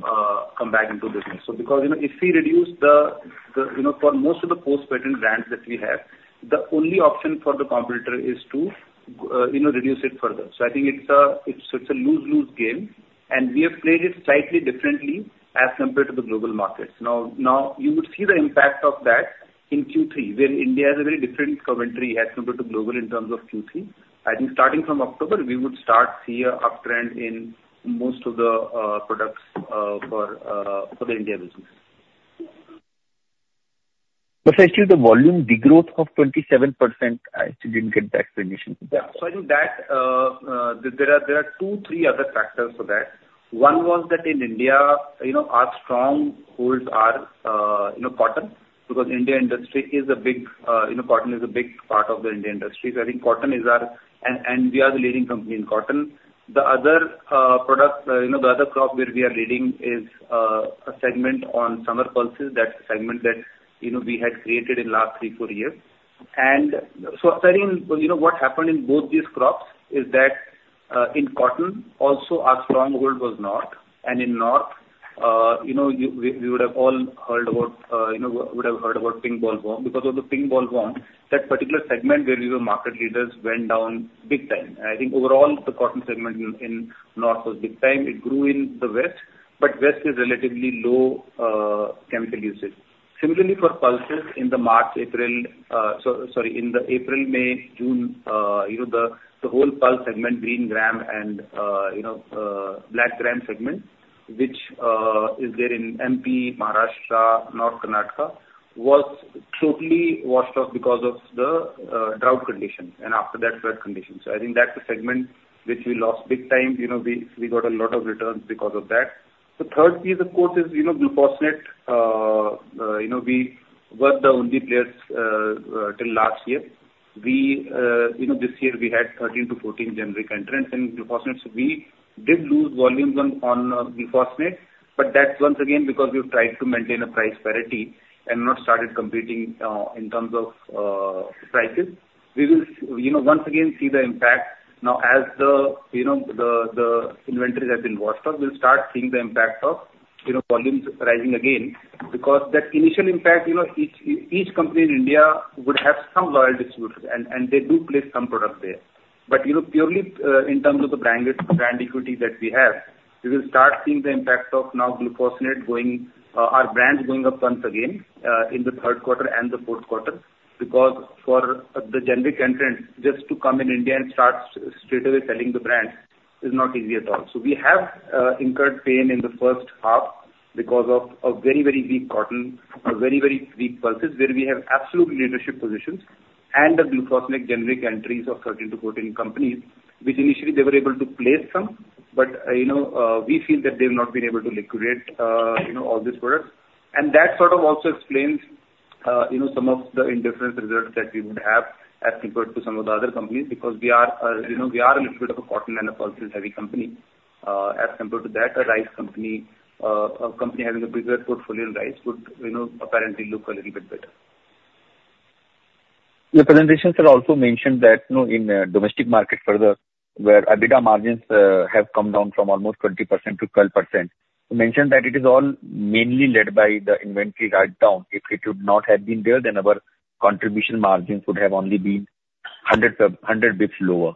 come back into business. So because, you know, if we reduce the, you know, for most of the post-patent brands that we have, the only option for the competitor is to, you know, reduce it further. So I think it's a lose-lose game, and we have played it slightly differently as compared to the global markets. Now you would see the impact of that in Q3, where India has a very different commentary as compared to global in terms of Q3. I think starting from October, we would start see an uptrend in most of the products for the India business. But actually, the volume degrowth of 27%, I actually didn't get the explanation. Yeah. I think that there are two, three other factors for that. One was that in India, you know, our strongholds are, you know, cotton. Because India industry is a big, you know, cotton is a big part of the Indian industry, I think cotton is our we are the leading company in cotton. The other product, you know, the other crop where we are leading is a segment on summer pulses. That's a segment that, you know, we had created in the last three, four years. I think, you know, what happened in both these crops is that in cotton, also our stronghold was north, and in north, you know, you would have all heard about, you know, would have heard about pink bollworm. Because of the pink bollworm, that particular segment where we were market leaders went down big time. I think overall, the cotton segment in north was big time. It grew in the west, but west is relatively low chemical usage. Similarly for pulses in the March, April, sorry, in the April, May, June, you know, the whole pulse segment, green gram and you know black gram segment, which is there in MP, Maharashtra, North Karnataka, was totally washed off because of the drought conditions and after that, flood conditions. So I think that's the segment which we lost big time. You know, we got a lot of returns because of that. The third piece, of course, is, you know, glufosinate. You know, we were the only players till last year. We, you know, this year we had 13 generic-14 generic entrants in glufosinate, so we did lose volumes on glufosinate, but that's once again because we've tried to maintain a price parity and not started competing in terms of prices. We will, you know, once again see the impact now as the, you know, the inventories have been washed off. We'll start seeing the impact of volumes rising again. Because that initial impact, you know, each company in India would have some loyal distributors and they do place some product there. But, you know, purely in terms of the brand equity that we have, we will start seeing the impact of now glufosinate going, our brands going up once again in the third quarter and the fourth quarter. Because for the generic entrant, just to come in India and start straightaway selling the brand is not easy at all. So we have incurred pain in the first half because of a very, very weak cotton, a very, very very weak pulses, where we have absolute leadership positions and the glufosinate generic entries of 13 companies-14 companies, which initially they were able to place some, but you know we feel that they've not been able to liquidate you know all these products. And that sort of also explains you know some of the indifferent results that we would have as compared to some of the other companies, because we are you know we are a little bit of a cotton and a pulses heavy company. As compared to that, a rice company, a company having a bigger portfolio in rice would, you know, apparently look a little bit better. Your presentation, sir, also mentioned that, you know, in domestic market further, where EBITDA margins have come down from almost 20%-12%. You mentioned that it is all mainly led by the inventory write down. If it would not have been there, then our contribution margins would have only been 100, 100 basis points lower.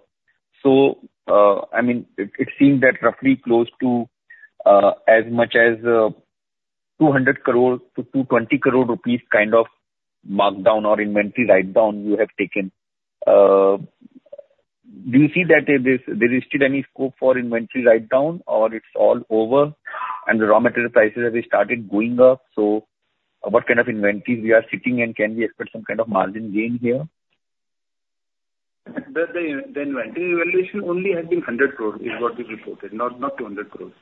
So, I mean, it seems that roughly close to as much as 200 crore-220 crore rupees kind of markdown or inventory write down you have taken. Do you see that there is still any scope for inventory write down, or it's all over and the raw material prices have started going up? So what kind of inventories we are sitting, and can we expect some kind of margin gain here? The inventory evaluation only has been 100 crore, is what we reported, not 200 crores.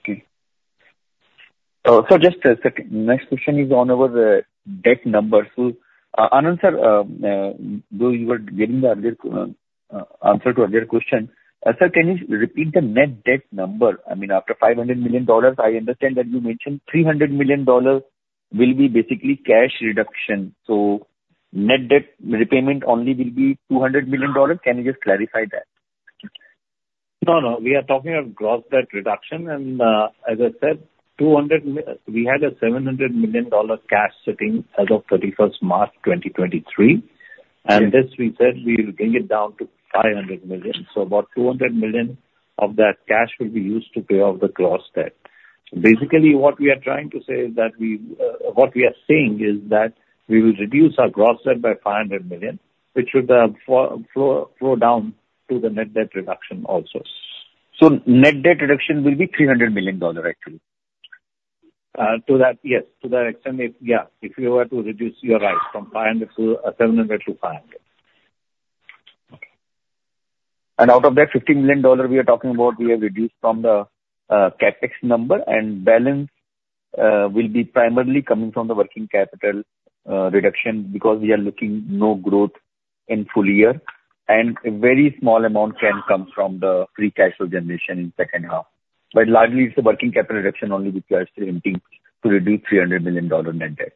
Okay. So just a second. Next question is on our, debt numbers. So, Anand, sir, during your giving the earlier, answer to earlier question. Sir, can you repeat the net debt number? I mean, after $500 million, I understand that you mentioned $300 million will be basically cash reduction. So net debt repayment only will be $200 million? Can you just clarify that? No, no. We are talking of gross debt reduction. And, as I said, $200 million, we had a $700 million cash sitting as of 31st March 2023. And this we said we will bring it down to $500 million. So about $200 million of that cash will be used to pay off the gross debt. Basically, what we are trying to say is that we, what we are saying is that we will reduce our gross debt by $500 million, which should flow down to the net debt reduction also. Net debt reduction will be $300 million, actually? To that, yes. To that extent, it, yeah, if you were to reduce your right from $500 million to $700 million to $500 million. Okay. And out of that $50 million we are talking about, we have reduced from the CapEx number, and balance will be primarily coming from the working capital reduction, because we are looking no growth in full year, and a very small amount can come from the Free Cash Flow generation in second half. But largely, it's the working capital reduction only which we are still aiming to reduce $300 million net debt.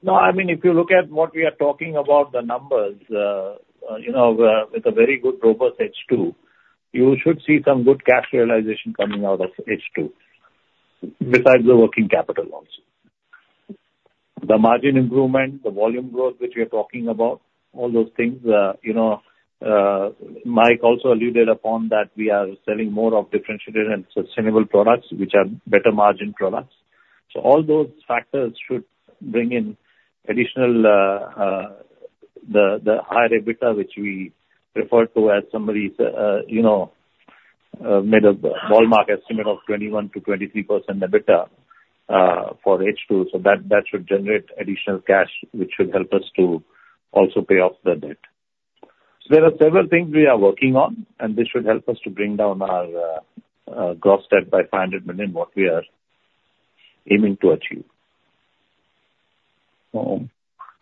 No, I mean, if you look at what we are talking about, the numbers, you know, with a very good robust H2, you should see some good cash realization coming out of H2, besides the working capital also. The margin improvement, the volume growth, which we are talking about, all those things, you know, Mike also alluded upon that we are selling more of differentiated and sustainable products, which are better margin products. So all those factors should bring in additional, the higher EBITDA, which we refer to as somebody's, you know, made a hallmark estimate of 21%-23% EBITDA, for H2. So that should generate additional cash, which should help us to also pay off the debt. There are several things we are working on, and this should help us to bring down our gross debt by $500 million, what we are aiming to achieve.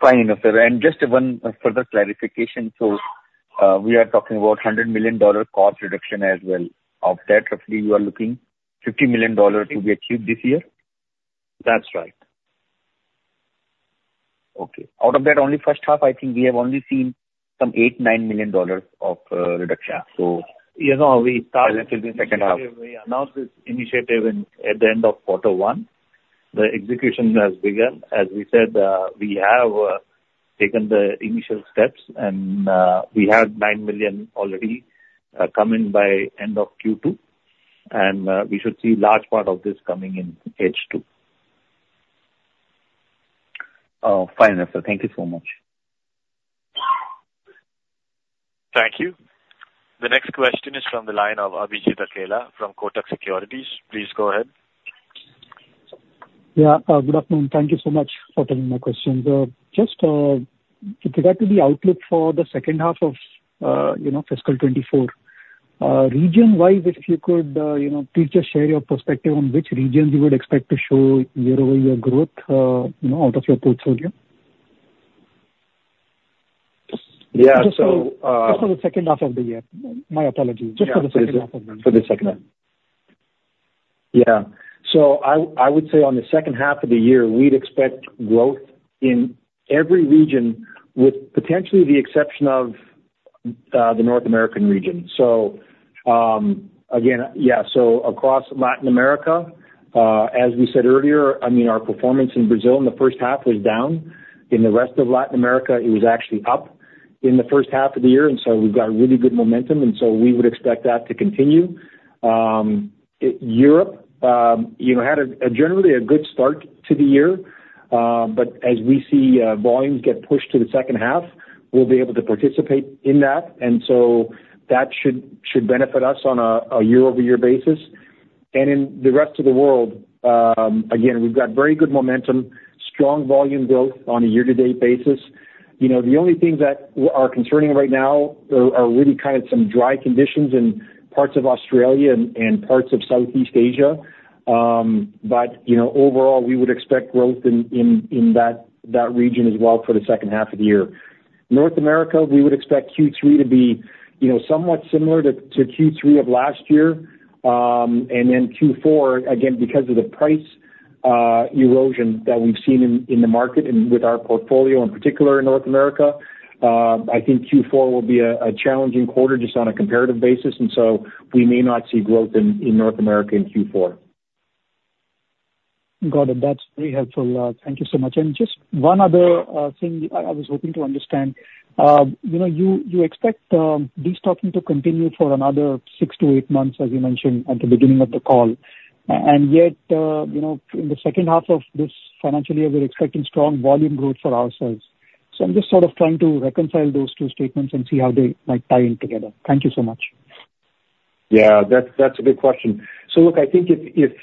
Fine, sir. Just one further clarification. We are talking about $100 million cost reduction as well. Of that, roughly, you are looking $50 million to be achieved this year? That's right. Okay. Out of that, only first half, I think we have only seen some $8 million-$9 million of reduction. So- You know, we started- Second half. We announced this initiative at the end of quarter one. The execution has begun. As we said, we have taken the initial steps, and we have $9 million already coming by end of Q2, and we should see large part of this coming in H2. Oh, fine, sir. Thank you so much. Thank you. The next question is from the line of Abhijit Akella from Kotak Securities.. Please go ahead. Yeah. Good afternoon. Thank you so much for taking my question. Just, with regard to the outlook for the second half of, you know, fiscal 2024, region-wise, if you could, you know, please just share your perspective on which regions you would expect to show year-over-year growth, you know, out of your portfolio? Yeah, so. Just for the second half of the year. My apologies. Just for the second half of the year. For the second half. Yeah. So I, I would say on the second half of the year, we'd expect growth in every region, with potentially the exception of, the North America region. So, again, yeah, so across Latin America, as we said earlier, I mean, our performance in Brazil in the first half was down. In the rest of Latin America, it was actually up in the first half of the year, and so we've got really good momentum, and so we would expect that to continue. Europe, you know, had a, a generally a good start to the year, but as we see, volumes get pushed to the second half, we'll be able to participate in that, and so that should, should benefit us on a, a year-over-year basis. In the rest of the world, again, we've got very good momentum, strong volume growth on a year-to-date basis. You know, the only things that are concerning right now are really kind of some dry conditions in parts of Australia and parts of Southeast Asia. But you know, overall, we would expect growth in that region as well for the second half of the year. North America, we would expect Q3 to be, you know, somewhat similar to Q3 of last year. And then Q4, again, because of the price erosion that we've seen in the market and with our portfolio, in particular in North America, I think Q4 will be a challenging quarter just on a comparative basis, and so we may not see growth in North America in Q4. Got it. That's very helpful. Thank you so much. And just one other thing I was hoping to understand. You know, you expect destocking to continue for another six to eight months, as you mentioned at the beginning of the call. And yet, you know, in the second half of this financial year, we're expecting strong volume growth for ourselves. So I'm just sort of trying to reconcile those two statements and see how they might tie in together. Thank you so much. Yeah, that's, that's a good question. So look, I think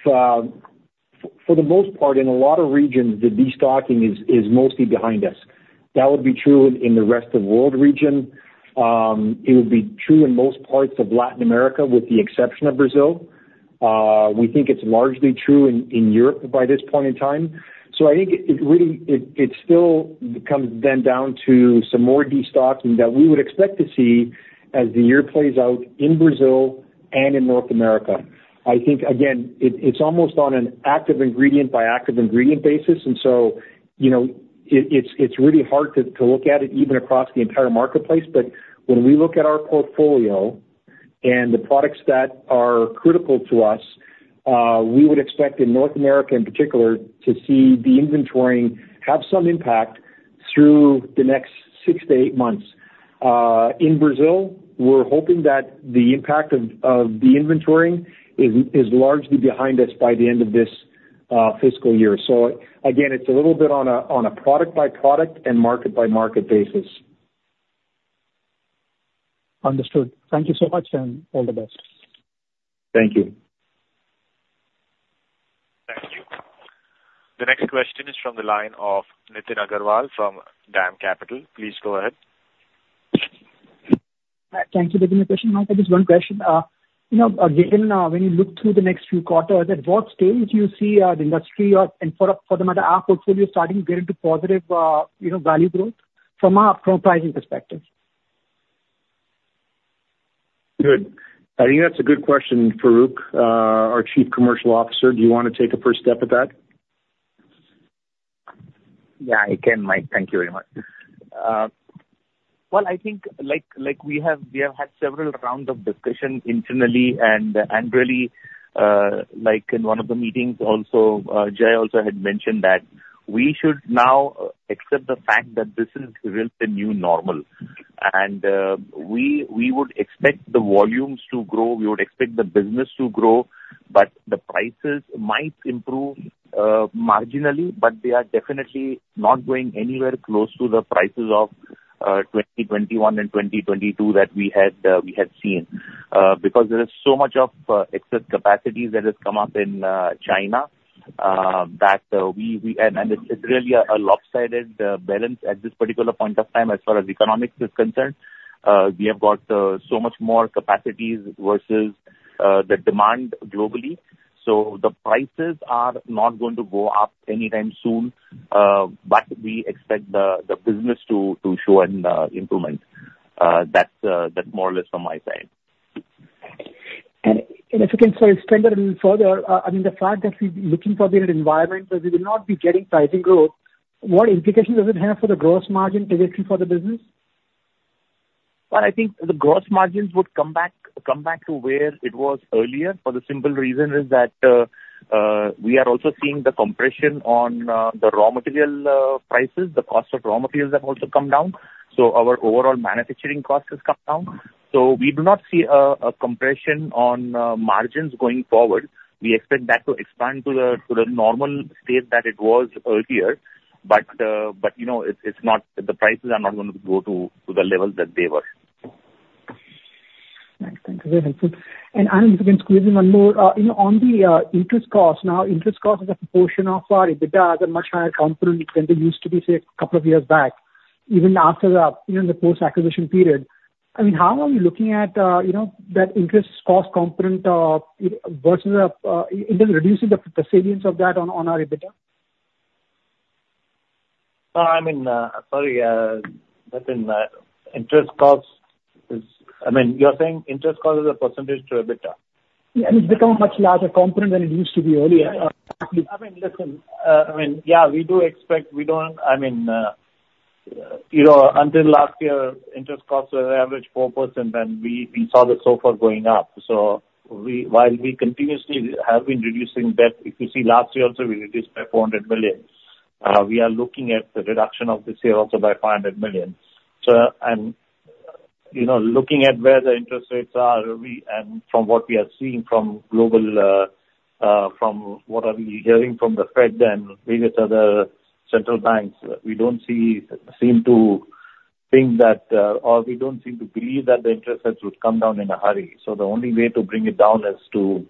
for the most part, in a lot of regions, the destocking is mostly behind us. That would be true in the rest of the world region. It would be true in most parts of Latin America, with the exception of Brazil. We think it's largely true in Europe by this point in time. So I think it really still comes then down to some more destocking that we would expect to see as the year plays out in Brazil and in North America. I think, again, it's almost on an active ingredient by active ingredient basis, and so, you know, it's really hard to look at it even across the entire marketplace. But when we look at our portfolio and the products that are critical to us, we would expect in North America, in particular, to see the inventorying have some impact through the next six to eight months. In Brazil, we're hoping that the impact of, of the inventorying is, is largely behind us by the end of this fiscal year. So again, it's a little bit on a, on a product-by-product and market-by-market basis. Understood. Thank you so much, and all the best. Thank you. Thank you. The next question is from the line of Nitin Agarwal from DAM Capital. Please go ahead. Thank you for the question. Mike, I just one question. You know, again, when you look through the next few quarters, at what stage do you see the industry or, and for, for the matter, our portfolio starting to get into positive, you know, value growth from a, from a pricing perspective? Good. I think that's a good question, Farokh. Our Chief Commercial Officer, do you wanna take a first stab at that? Yeah, I can, Mike. Thank you very much. Well, I think, like, like we have, we have had several rounds of discussion internally, and, and really, like in one of the meetings also, Jai also had mentioned that we should now accept the fact that this is really the new normal. And, we, we would expect the volumes to grow, we would expect the business to grow, but the prices might improve, marginally, but they are definitely not going anywhere close to the prices of 2021 and 2022 that we had, we had seen. Because there is so much of excess capacity that has come up in China, that, we, we... And it's really a lopsided balance at this particular point of time as far as economics is concerned. We have got so much more capacities versus the demand globally. So the prices are not going to go up anytime soon, but we expect the business to show an improvement. That's more or less from my side. If you can sort of expand that a little further, I mean, the fact that we're looking for the environment, but we will not be getting pricing growth, what implication does it have for the gross margin trajectory for the business? Well, I think the gross margins would come back, come back to where it was earlier, for the simple reason is that, we are also seeing the compression on, the raw material, prices. The cost of raw materials have also come down, so our overall manufacturing cost has come down. So we do not see a compression on, margins going forward. We expect that to expand to the, to the normal state that it was earlier. But, but, you know, it's not - the prices are not going to go to, to the levels that they were. Thanks. Thank you, very helpful. And if you can squeeze in one more. You know, on the interest cost, now interest cost is a portion of our EBITDA as a much higher component than they used to be, say a couple of years back, even after the, even the post-acquisition period. I mean, how are we looking at, you know, that interest cost component versus in reducing the salience of that on our EBITDA? I mean, sorry, within interest costs is... I mean, you're saying interest cost as a percentage to EBITDA? Yeah, it's become a much larger component than it used to be earlier. I mean, listen, I mean, yeah, we do expect... you know, until last year, interest costs were average 4%, and we saw that so far going up. So, while we continuously have been reducing debt, if you see last year also, we reduced by $400 million. We are looking at the reduction of this year also by $500 million. So, and, you know, looking at where the interest rates are, and from what we are seeing from global, from what we are hearing from the Fed and various other central banks, we don't seem to think that, or we don't seem to believe that the interest rates would come down in a hurry. So the only way to bring it down is to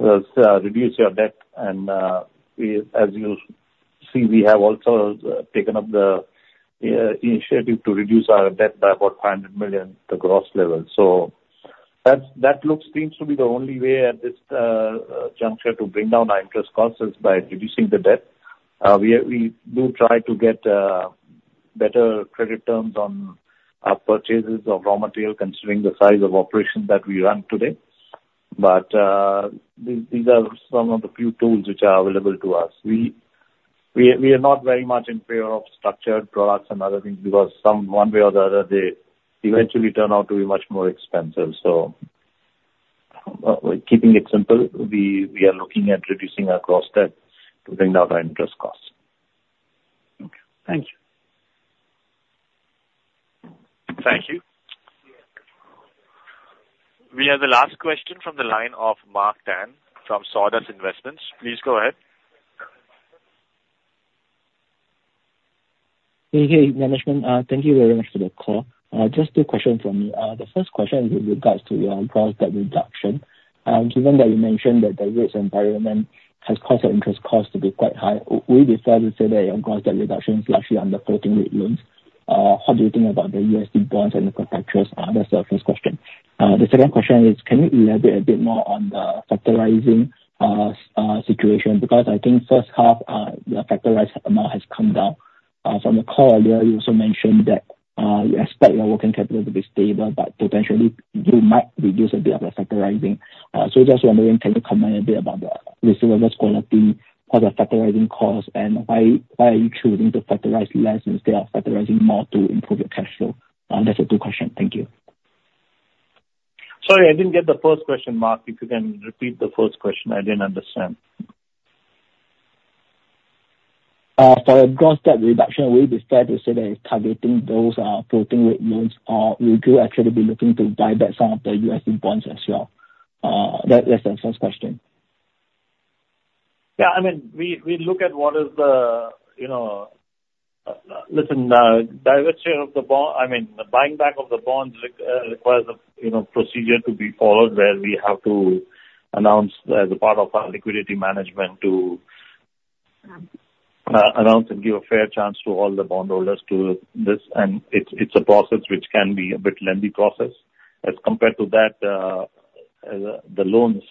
reduce your debt. As you see, we have also taken up the initiative to reduce our debt by about $500 million at the gross level. So that seems to be the only way at this juncture to bring down our interest costs, which is by reducing the debt. We do try to get better credit terms on our purchases of raw material, considering the size of operation that we run today. But these are some of the few tools which are available to us. We are not very much in favor of structured products and other things because one way or the other, they eventually turn out to be much more expensive. So, keeping it simple, we are looking at reducing our gross debt to bring down our interest costs. Okay. Thank you. Thank you. We have the last question from the line of Mark Tan from Sawdust Investments. Please go ahead. Hey, hey, management. Thank you very much for the call. Just two questions from me. The first question is with regards to your gross debt reduction. Given that you mentioned that the rates environment has caused the interest costs to be quite high, would it be fair to say that your gross debt reduction is largely under floating rate loans? What do you think about the USD bonds and the perpetuals? That's the first question. The second question is, can you elaborate a bit more on the factoring situation? Because I think first half, the factorized amount has come down. From the call earlier, you also mentioned that you expect your working capital to be stable, but potentially you might reduce a bit of the factoring. So just wondering, can you comment a bit about the receivables quality or the factoring cost, and why, why are you choosing to factor less instead of factoring more to improve your cash flow? That's the two question. Thank you. Sorry, I didn't get the first question, Mark. If you can repeat the first question? I didn't understand. So gross debt reduction, would you fair to say that it's targeting those floating rate loans, or would you actually be looking to buy back some of the USD bonds as well? That, that's the first question. Yeah, I mean, we look at what is the, you know. Listen, diversion of the bond, I mean, the buying back of the bonds requires a, you know, procedure to be followed, where we have to announce, as a part of our liquidity management, to announce and give a fair chance to all the bondholders to this. And it's a process which can be a bit lengthy process. As compared to that, the loans,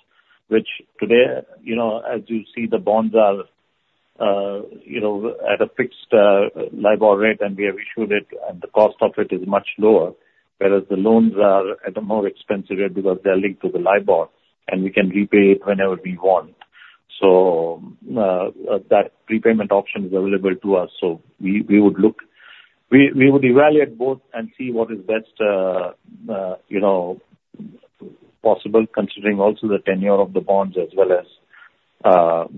which today, you know, as you see, the bonds are, you know, at a fixed LIBOR rate, and we have issued it, and the cost of it is much lower, whereas the loans are at a more expensive rate because they're linked to the LIBOR, and we can repay it whenever we want. So, that prepayment option is available to us, so we would evaluate both and see what is best, you know, possible, considering also the tenure of the bonds as well as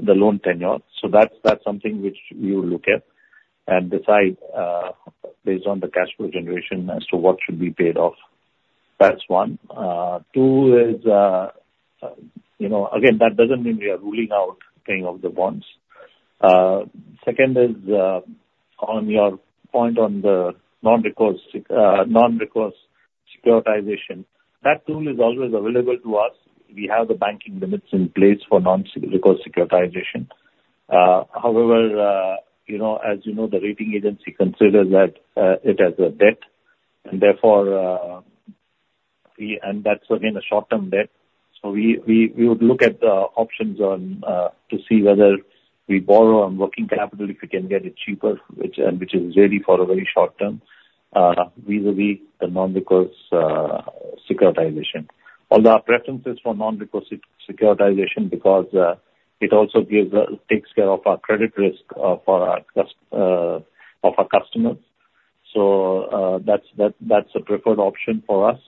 the loan tenure. So that's something which we will look at and decide based on the cash flow generation as to what should be paid off. That's one. Two is, you know, again, that doesn't mean we are ruling out paying off the bonds. Second is, on your point on the non-recourse securitization, that tool is always available to us. We have the banking limits in place for non-recourse securitization. However, you know, as you know, the rating agency considers that it as a debt, and therefore, we... And that's, again, a short-term debt, so we would look at the options on to see whether we borrow on working capital if we can get it cheaper, which is really for a very short term, vis-à-vis the non-recourse securitization. Although our preference is for non-recourse securitization because it also takes care of our credit risk of our customers. So that's a preferred option for us.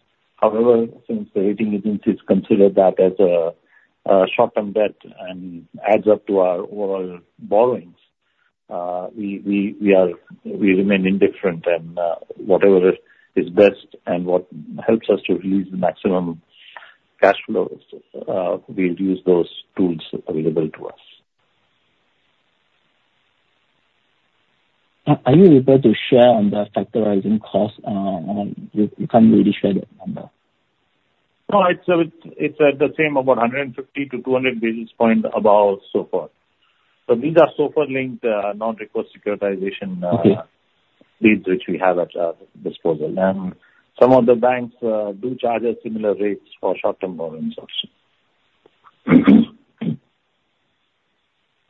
However, since the rating agencies consider that as a short-term debt and adds up to our overall borrowings, we remain indifferent, and whatever is best and what helps us to release the maximum cash flows, we'll use those tools available to us. Are you able to share on the factoring cost, on you can't really share that number? No, it's the same, about 150 basis points-200 basis points above SOFR. So these are SOFR-linked, non-recourse securitization, Okay. Leads which we have at our disposal. Some of the banks do charge us similar rates for short-term borrowings also.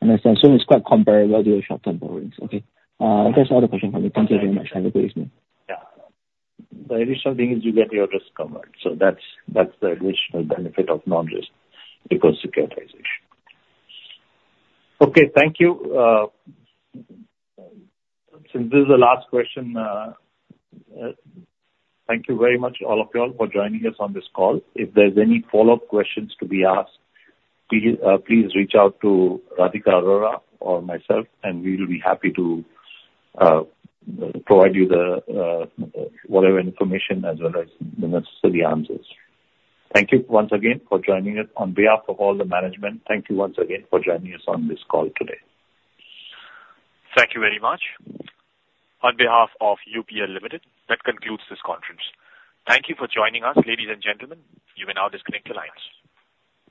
I assume it's quite comparable to your short-term borrowings. Okay. That's all the question for me. Thank you very much for the briefing. Yeah. The additional thing is you get your risk covered, so that's, that's the additional benefit of non-recourse securitization. Okay, thank you. Since this is the last question, thank you very much, all of you all, for joining us on this call. If there's any follow-up questions to be asked, please, please reach out to Radhika Arora or myself, and we will be happy to provide you the whatever information as well as the necessary answers. Thank you once again for joining us. On behalf of all the management, thank you once again for joining us on this call today. Thank you very much. On behalf of UPL Limited, that concludes this conference. Thank you for joining us, ladies and gentlemen. You may now disconnect your lines.